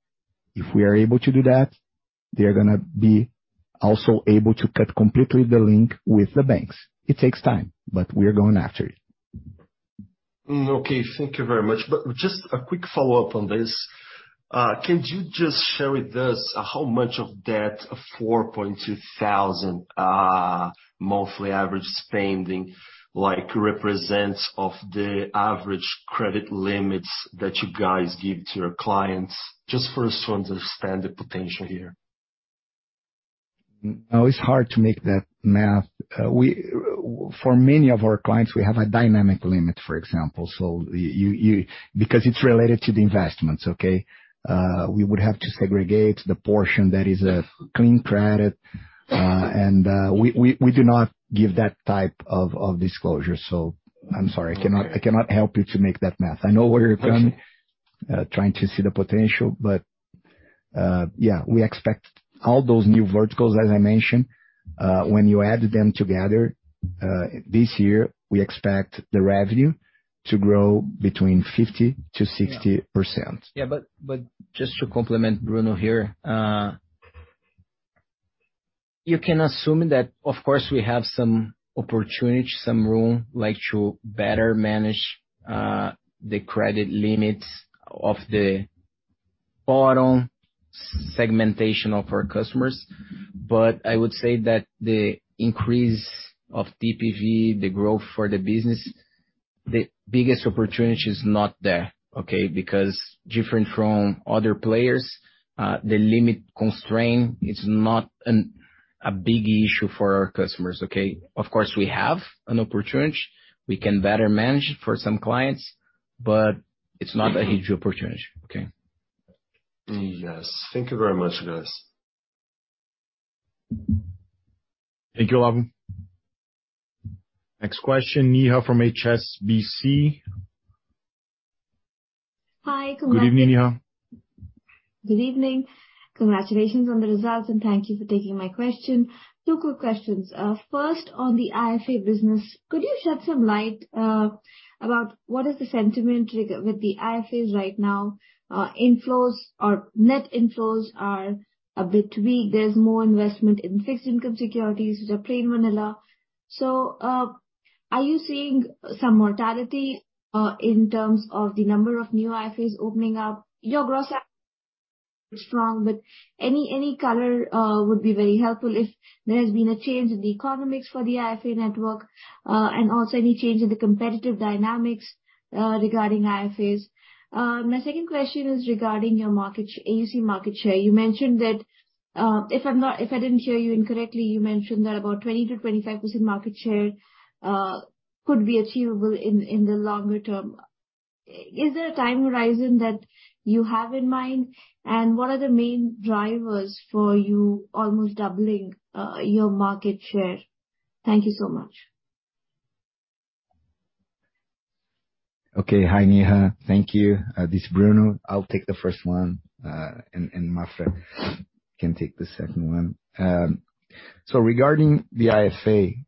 If we are able to do that, they're gonna be also able to cut completely the link with the banks. It takes time, but we're going after it. Okay, thank you very much. Just a quick follow-up on this. Can you just share with us how much of that 4,200 monthly average spending, like, represents of the average credit limits that you guys give to your clients, just for us to understand the potential here? Now it's hard to make that math. For many of our clients, we have a dynamic limit, for example. You Because it's related to the investments, okay? We would have to segregate the portion that is clean credit. We do not give that type of disclosure. I'm sorry, I cannot-. Okay. I cannot help you to make that math. I know where you're. I see. Trying to see the potential. Yeah, we expect all those new verticals, as I mentioned, when you add them together, this year, we expect the revenue to grow between 50%-60%. Yeah. Just to complement Bruno here. You can assume that, of course, we have some opportunity, some room like to better manage the credit limits of the bottom segmentation of our customers. I would say that the increase of TPV, the growth for the business, the biggest opportunity is not there, okay? Different from other players, the limit constraint is not a big issue for our customers, okay? Of course, we have an opportunity. We can better manage for some clients, but it's not a huge opportunity. Okay? Yes. Thank you very much, guys. Thank you, Olavo Arthuzo. Next question, Neha Agarwala from HSBC. Hi. Congratulations. Good evening, Neha. Good evening. Congratulations on the results, and thank you for taking my question. Two quick questions. First on the IFA business. Could you shed some light about what is the sentiment with the IFAs right now? Inflows or net inflows are a bit weak. There's more investment in fixed income securities, the plain vanilla. Are you seeing some mortality in terms of the number of new IFAs opening up? Your gross strong, but any color would be very helpful if there has been a change in the economics for the IFA network, and also any change in the competitive dynamics regarding IFAs. My second question is regarding your market AUC market share. You mentioned that, if I didn't hear you incorrectly, you mentioned that about 20%-25% market share could be achievable in the longer term. Is there a time horizon that you have in mind? What are the main drivers for you almost doubling your market share? Thank you so much. Okay. Hi, Neha. Thank you. This Bruno. I'll take the first one, and Maffra can take the second one. Regarding the IFA,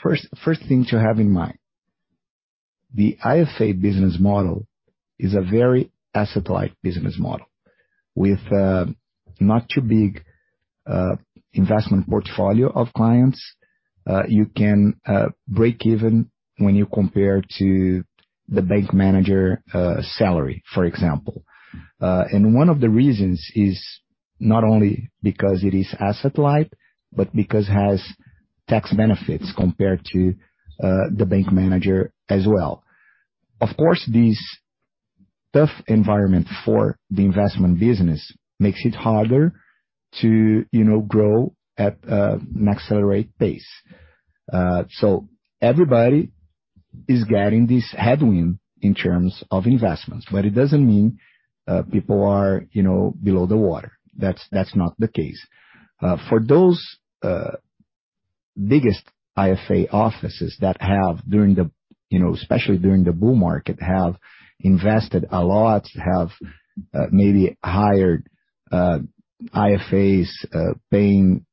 first thing to have in mind, the IFA business model is a very asset-light business model with not too big investment portfolio of clients. You can break even when you compare to the bank manager salary, for example. One of the reasons is not only because it is asset light, but because it has tax benefits compared to the bank manager as well. Of course, this tough environment for the investment business makes it harder to, you know, grow at an accelerate pace. Everybody is getting this headwind in terms of investments, but it doesn't mean people are, you know, below the water. That's not the case. For those, biggest IFA offices that have during the, you know, especially during the bull market, have invested a lot, have, maybe hired, IFAs, paying,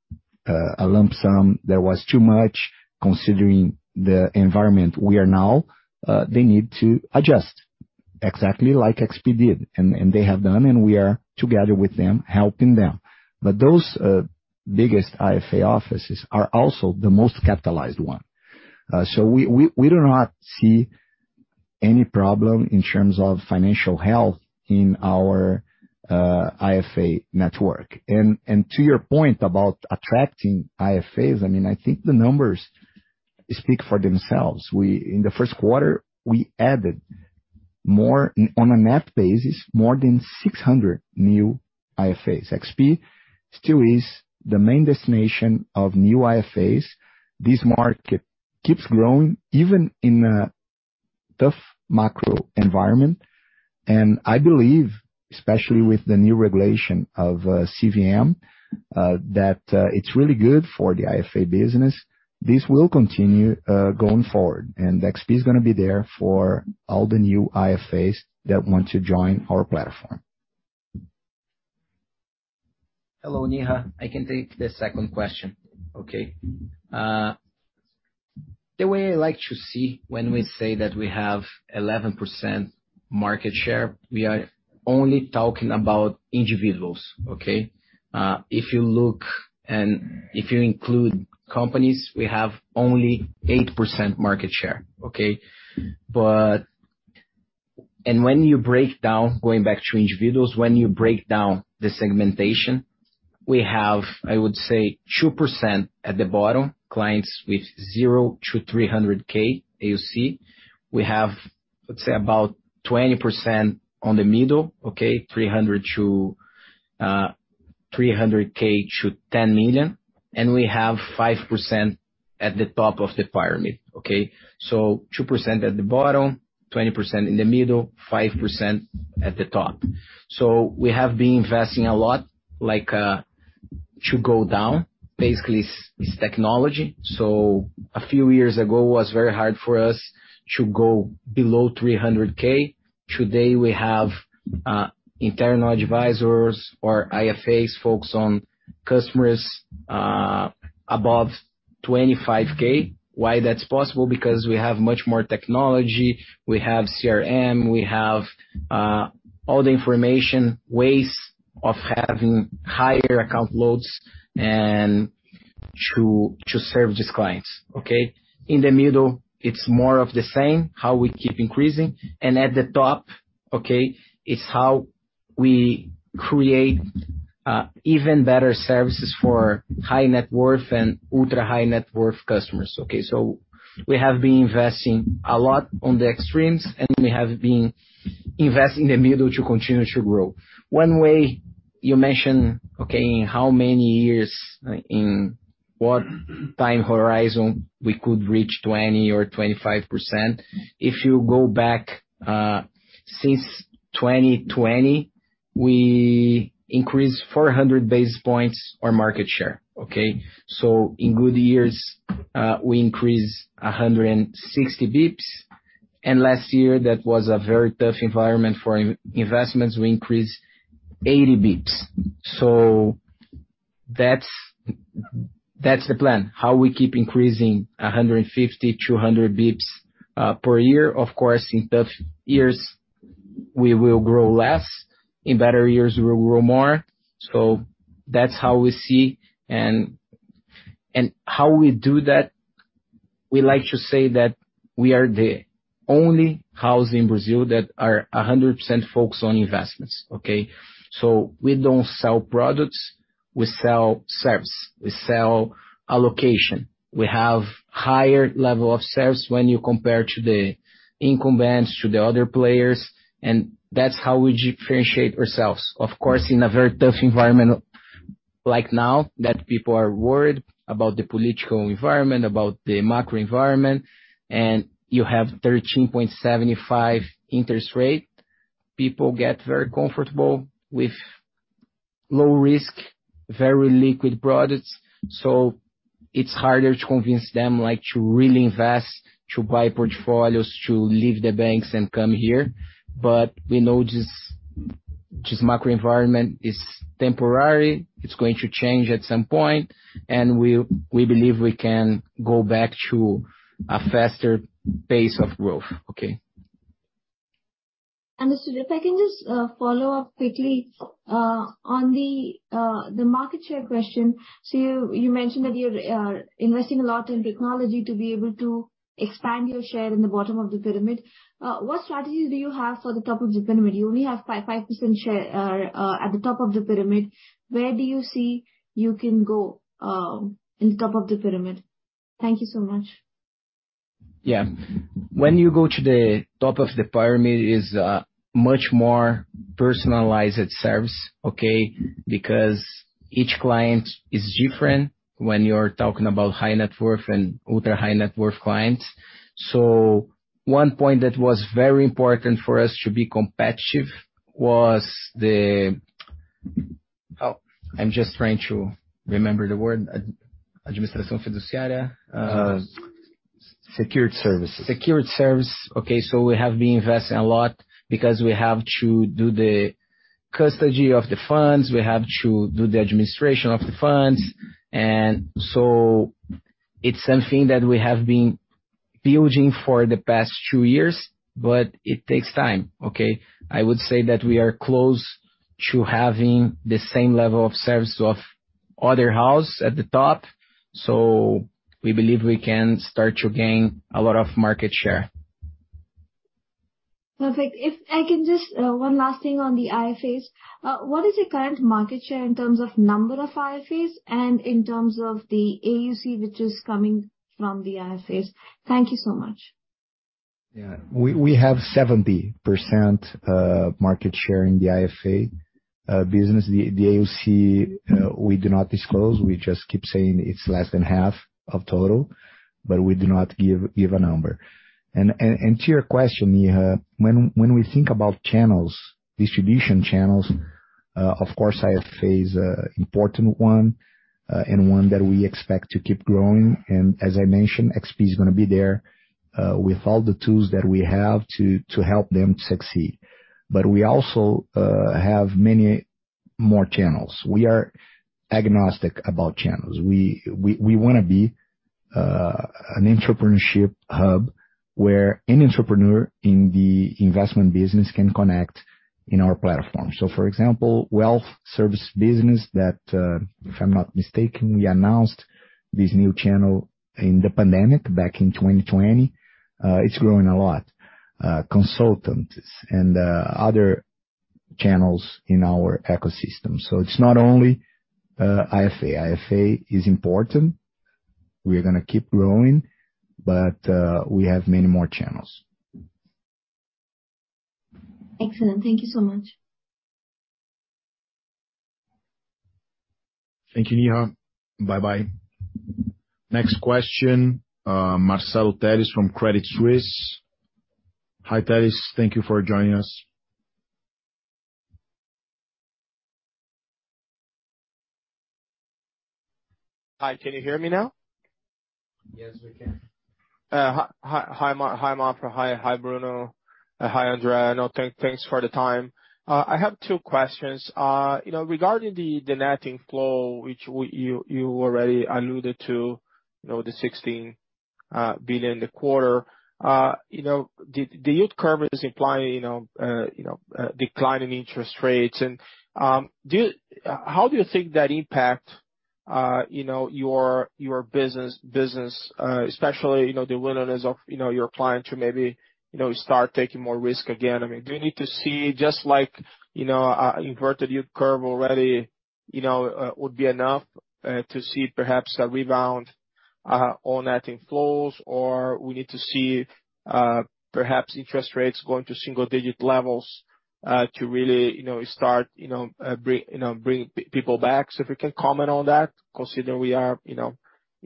a lump sum that was too much considering the environment we are now, they need to adjust exactly like XP did. They have done, and we are together with them, helping them. Those, biggest IFA offices are also the most capitalized one. We, we do not see any problem in terms of financial health in our, IFA network. To your point about attracting IFAs, I mean, I think the numbers speak for themselves. In the Q1, we added more, on a net basis, more than 600 new IFAs. XP still is the main destination of new IFAs. This market keeps growing even in a tough macro environment. I believe, especially with the new regulation of CVM, that it's really good for the IFA business. This will continue going forward. XP is gonna be there for all the new IFAs that want to join our platform. Hello, Neha. I can take the 2nd question, okay. The way I like to see when we say that we have 11% market share, we are only talking about individuals, okay. If you look and if you include companies, we have only 8% market share, okay. When you break down, going back to individuals, when you break down the segmentation, we have, I would say 2% at the bottom, clients with zero to 300K AUC. We have, let's say, about 20% on the middle, okay. 300,000-10 million. We have 5% at the top of the pyramid, okay. 2% at the bottom, 20% in the middle, 5% at the top. We have been investing a lot, like, to go down. Basically, it's technology. A few years ago, it was very hard for us to go below 300,000. Today, we have internal advisors or IFAs focus on customers above 25,000. Why that's possible? Because we have much more technology. We have CRM. We have all the information, ways of having higher account loads and to serve these clients, okay? In the middle, it's more of the same, how we keep increasing. At the top, okay, it's how we create even better services for high-net-worth and ultra-high-net-worth customers, okay? We have been investing a lot on the extremes and we have been investing in the middle to continue to grow. One way you mention, okay, in how many years, in what time horizon we could reach 20% or 25%. If you go back, since 2020, we increased 400 basis points our market share, okay? In good years, we increased 160 basis points. And last year, that was a very tough environment for investments, we increased 80 basis points. That's the plan. How we keep increasing 150, 200 basis points per year. Of course, in tough years, we will grow less. In better years, we'll grow more. That's how we see and how we do that, we like to say that we are the only house in Brazil that are 100% focused on investments, okay? We don't sell products, we sell service. We sell allocation. We have higher level of service when you compare to the incumbents, to the other players, and that's how we differentiate ourselves. In a very tough environment like now, that people are worried about the political environment, about the macro environment, and you have 13.75% interest rate, people get very comfortable with low-risk, very liquid products. It's harder to convince them, like, to really invest, to buy portfolios, to leave the banks and come here. We know this macro environment is temporary. It's going to change at some point, we believe we can go back to a faster pace of growth, okay? Bruno Constantino, if I can just follow up quickly on the market share question. You mentioned that you're investing a lot in technology to be able to expand your share in the bottom of the pyramid. What strategies do you have for the top of the pyramid? You only have 5% share at the top of the pyramid. Where do you see you can go in top of the pyramid? Thank you so much. Yeah. When you go to the top of the pyramid is much more personalized service, okay? Because each client is different when you're talking about high-net-worth and ultra-high-net-worth clients. One point that was very important for us to be competitive was the, oh, I'm just trying to remember the word. Secured services. Secured service. Okay, we have been investing a lot because we have to do the custody of the funds. We have to do the administration of the funds. It's something that we have been building for the past two years, but it takes time, okay? I would say that we are close to having the same level of service of other house at the top. We believe we can start to gain a lot of market share. Perfect. I can just, one last thing on the IFAs. What is your current market share in terms of number of IFAs and in terms of the AUC which is coming from the IFAs? Thank you so much. Yeah. We have 70% market share in the IFA business. The AUC we do not disclose. We just keep saying it's less than half of total, but we do not give a number. To your question, Neha, when we think about channels, distribution channels, of course, IFA is an important one, and one that we expect to keep growing. As I mentioned, XP is gonna be there with all the tools that we have to help them succeed. We also have many more channels. We are agnostic about channels. We wanna be an entrepreneurship hub, where any entrepreneur in the investment business can connect in our platform. For example, wealth service business that, if I'm not mistaken, we announced this new channel in the pandemic back in 2020, it's growing a lot. Consultants and other channels in our ecosystem. It's not only IFA. IFA is important, we're gonna keep growing, but we have many more channels. Excellent. Thank you so much. Thank you, Neha. Bye-bye. Next question, Marcelo Telles from Credit Suisse. Hi, Telles. Thank you for joining us. Hi, can you hear me now? Yes, we can. Hi, Maffra. Hi, Bruno. Hi André. Thanks for the time. I have two questions. You know, regarding the net inflow, which you already alluded to, you know, the 16 billion a quarter. You know, the yield curve is implying, you know, a decline in interest rates. How do you think that impact, you know, your business, especially, you know, the willingness of, you know, your client to maybe, you know, start taking more risk again? I mean, do you need to see just like, you know, a inverted yield curve already, you know, would be enough to see perhaps a rebound on net inflows? We need to see, perhaps interest rates going to single-digit levels, to really, you know, start, you know, bring, you know, bring people back? If you can comment on that, considering we are, you know,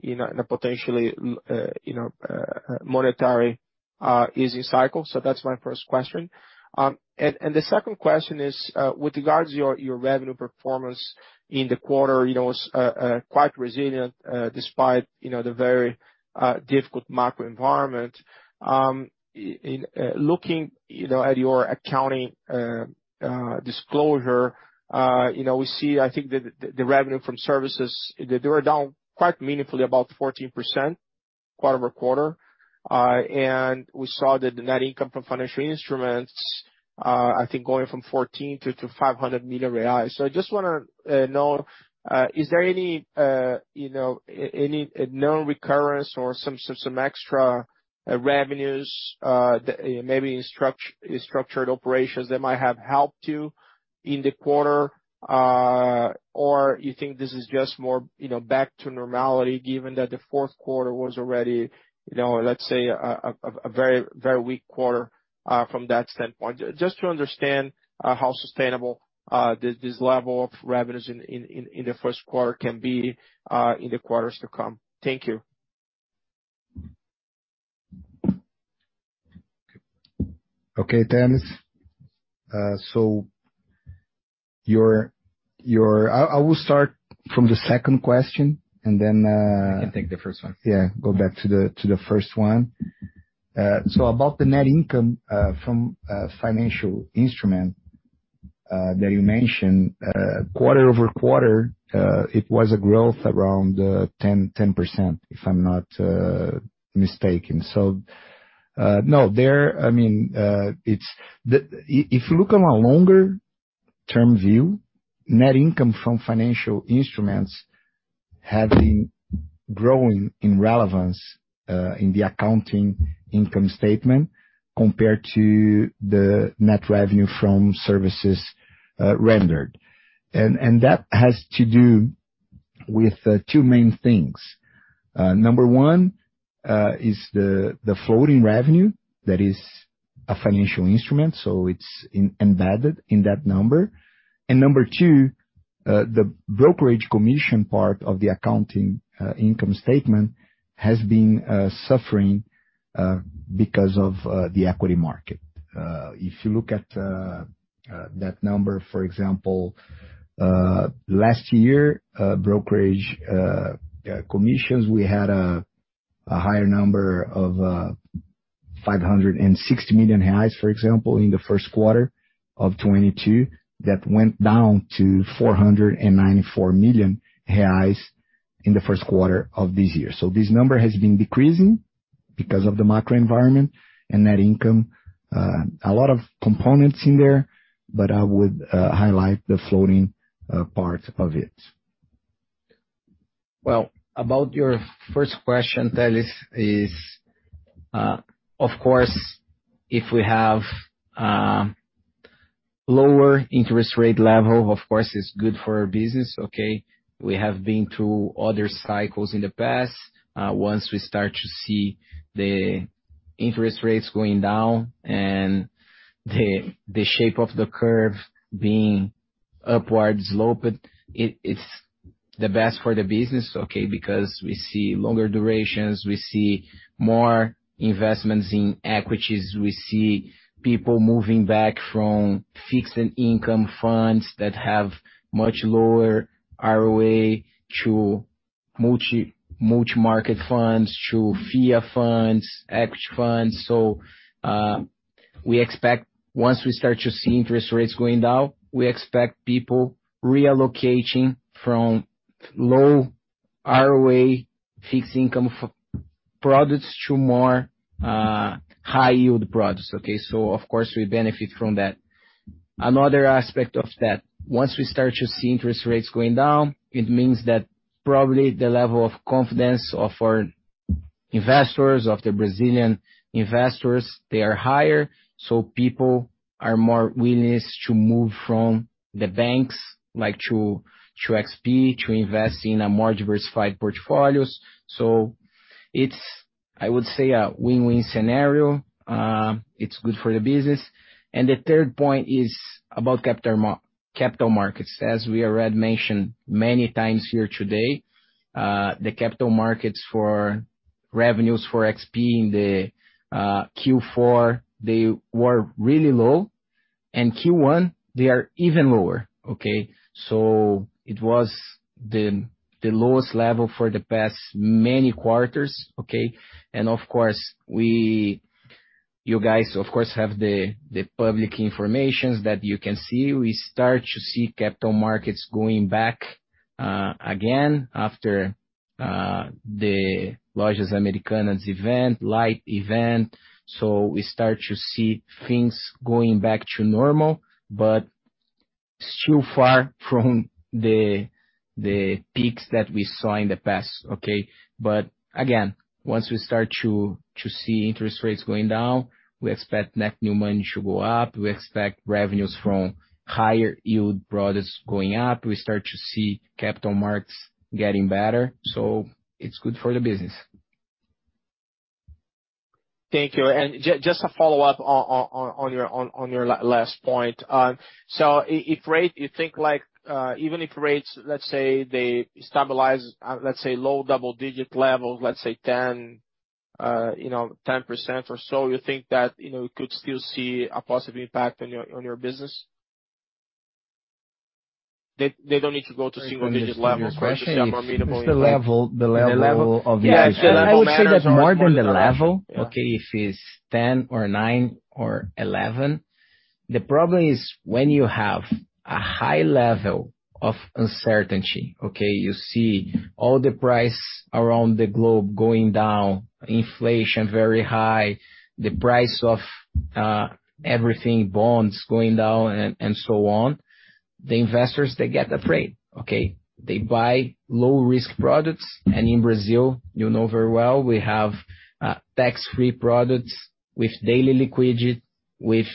in a, in a potentially, you know, monetary easing cycle. That's my first question. The second question is, with regards to your revenue performance in the quarter, you know, it was quite resilient, despite, you know, the very, difficult macro environment. In, looking, you know, at your accounting, disclosure, you know, we see, I think the, the revenue from services, they were down quite meaningfully, about 14% quarter-over-quarter. We saw the net income from financial instruments, I think going from 14 million-500 million reais. I just wanna know, is there any, you know, any known recurrence or some extra revenues that, you know, maybe in structured operations that might have helped you in the quarter? Or you think this is just more, you know, back to normality given that the fourth quarter was already, you know, let's say a very, very weak quarter from that standpoint? Just to understand how sustainable this level of revenues in the Q1 can be in the quarters to come. Thank you. Okay, Telles. I will start from the second question. I can take the first one. Yeah, go back to the first one. About the net income from financial instrument that you mentioned, quarter-over-quarter, it was a growth around 10% if I'm not mistaken. I mean, if you look on a longer term view, net income from financial instruments have been growing in relevance in the accounting income statement compared to the net revenue from services rendered. That has to do with two main things. Number one is the floating revenue that is a financial instrument, so it's embedded in that number. Number two, the brokerage commission part of the accounting income statement has been suffering because of the equity market. If you look at that number, for example, last year, brokerage commissions, we had a higher number of 560 million reais, for example, in the Q1 of 2022. That went down to 494 million reais in the Q1 of this year. This number has been decreasing because of the macro environment and net income. A lot of components in there, but I would highlight the floating part of it. Well, about your first question, Telles, is, of course, if we have lower interest-rate level, of course it's good for our business, okay? We have been through other cycles in the past. Once we start to see the interest rates going down and the shape of the curve being upward slope, it's the best for the business, okay? We see longer durations, we see more investments in equities. We see people moving back from fixed income funds that have much lower ROA to multi-market funds, to FIA funds, equity funds. We expect once we start to see interest rates going down, we expect people reallocating from low ROA fixed income products to more high yield products, okay? Of course, we benefit from that. Another aspect of that, once we start to see interest rates going down, it means that probably the level of confidence of our investors, of the Brazilian investors, they are higher, so people are more willing to move from the banks, like to XP to invest in a more diversified portfolios. It's, I would say, a win-win scenario. It's good for the business. The third point is about capital markets. As we already mentioned many times here today, the capital markets for revenues for XP in the Q4, they were really low. Q1, they are even lower, okay? It was the lowest level for the past many quarters, okay? You guys, of course, have the public information that you can see. We start to see capital markets going back again after the Lojas Americanas event, Light event. We start to see things going back to normal, but it's still far from the peaks that we saw in the past, okay? Again, once we start to see interest rates going down, we expect net-new money should go up. We expect revenues from higher yield products going up. We start to see capital markets getting better. It's good for the business. Thank you. Just a follow-up on your last point. If you think like, even if rates, let's say they stabilize at, let's say, low double-digit levels, let's say 10%, you know, 10% or so, you think that, you know, we could still see a positive impact on your business? They don't need to go to single digit levels for you to see a more meaningful impact. It's the level of the uncertainty. Yeah. The level matters. I would say that more than the level, okay, if it's 10 or nine or 11. The problem is when you have a high level of uncertainty, okay? You see all the price around the globe going down, inflation very high, the price of everything, bonds going down, and so on, the investors, they get afraid, okay? They buy low-risk products. In Brazil, you know very well, we have tax-free products with daily liquidity with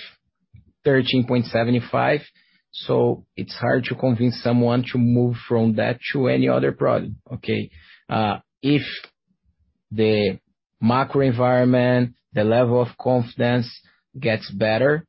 13.75%. It's hard to convince someone to move from that to any other product, okay? If the macro environment, the level of confidence gets better,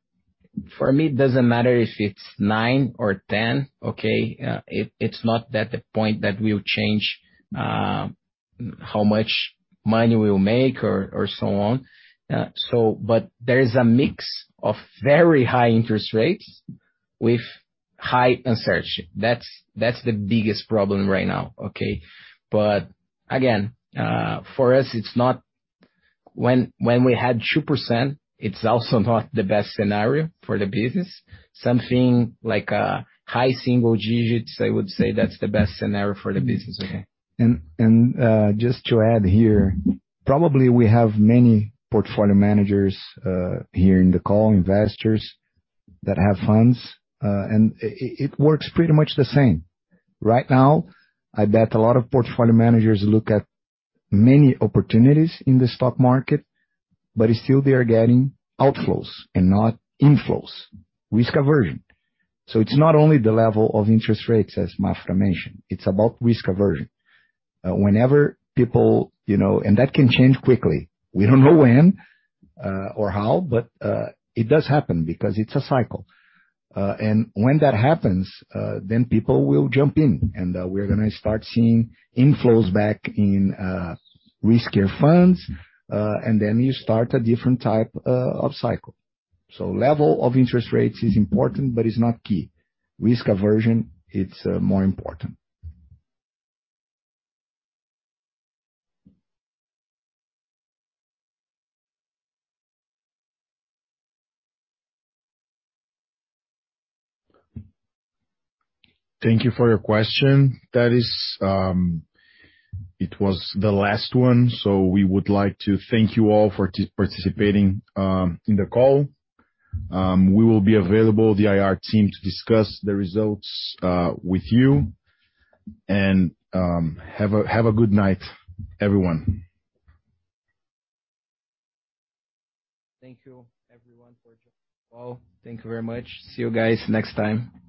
for me, it doesn't matter if it's nine or 10, okay? It's not that the point that will change how much money we'll make or so on. There is a mix of very high interest rates with high uncertainty. That's the biggest problem right now, okay. Again, for us, it's not when we had 2%, it's also not the best scenario for the business. Something like, high single digits, I would say that's the best scenario for the business, okay. Just to add here, probably we have many portfolio managers, here in the call, investors that have funds. It, it works pretty much the same. Right now, I bet a lot of portfolio managers look at many opportunities in the stock market, but still they are getting outflows and not inflows. Risk aversion. It's not only the level of interest rates, as Maffra mentioned, it's about risk aversion. Whenever people, you know, that can change quickly. We don't know when, or how, but, it does happen because it's a cycle. When that happens, people will jump in, and, we're gonna start seeing inflows back in, riskier funds. You start a different type, of cycle. Level of interest rates is important, but it's not key. Risk aversion, it's, more important. Thank you for your question. Telles, it was the last one, so we would like to thank you all for participating in the call. We will be available, the IR team, to discuss the results with you. Have a good night, everyone. Thank you, everyone, for joining as well. Thank you very much. See you guys next time.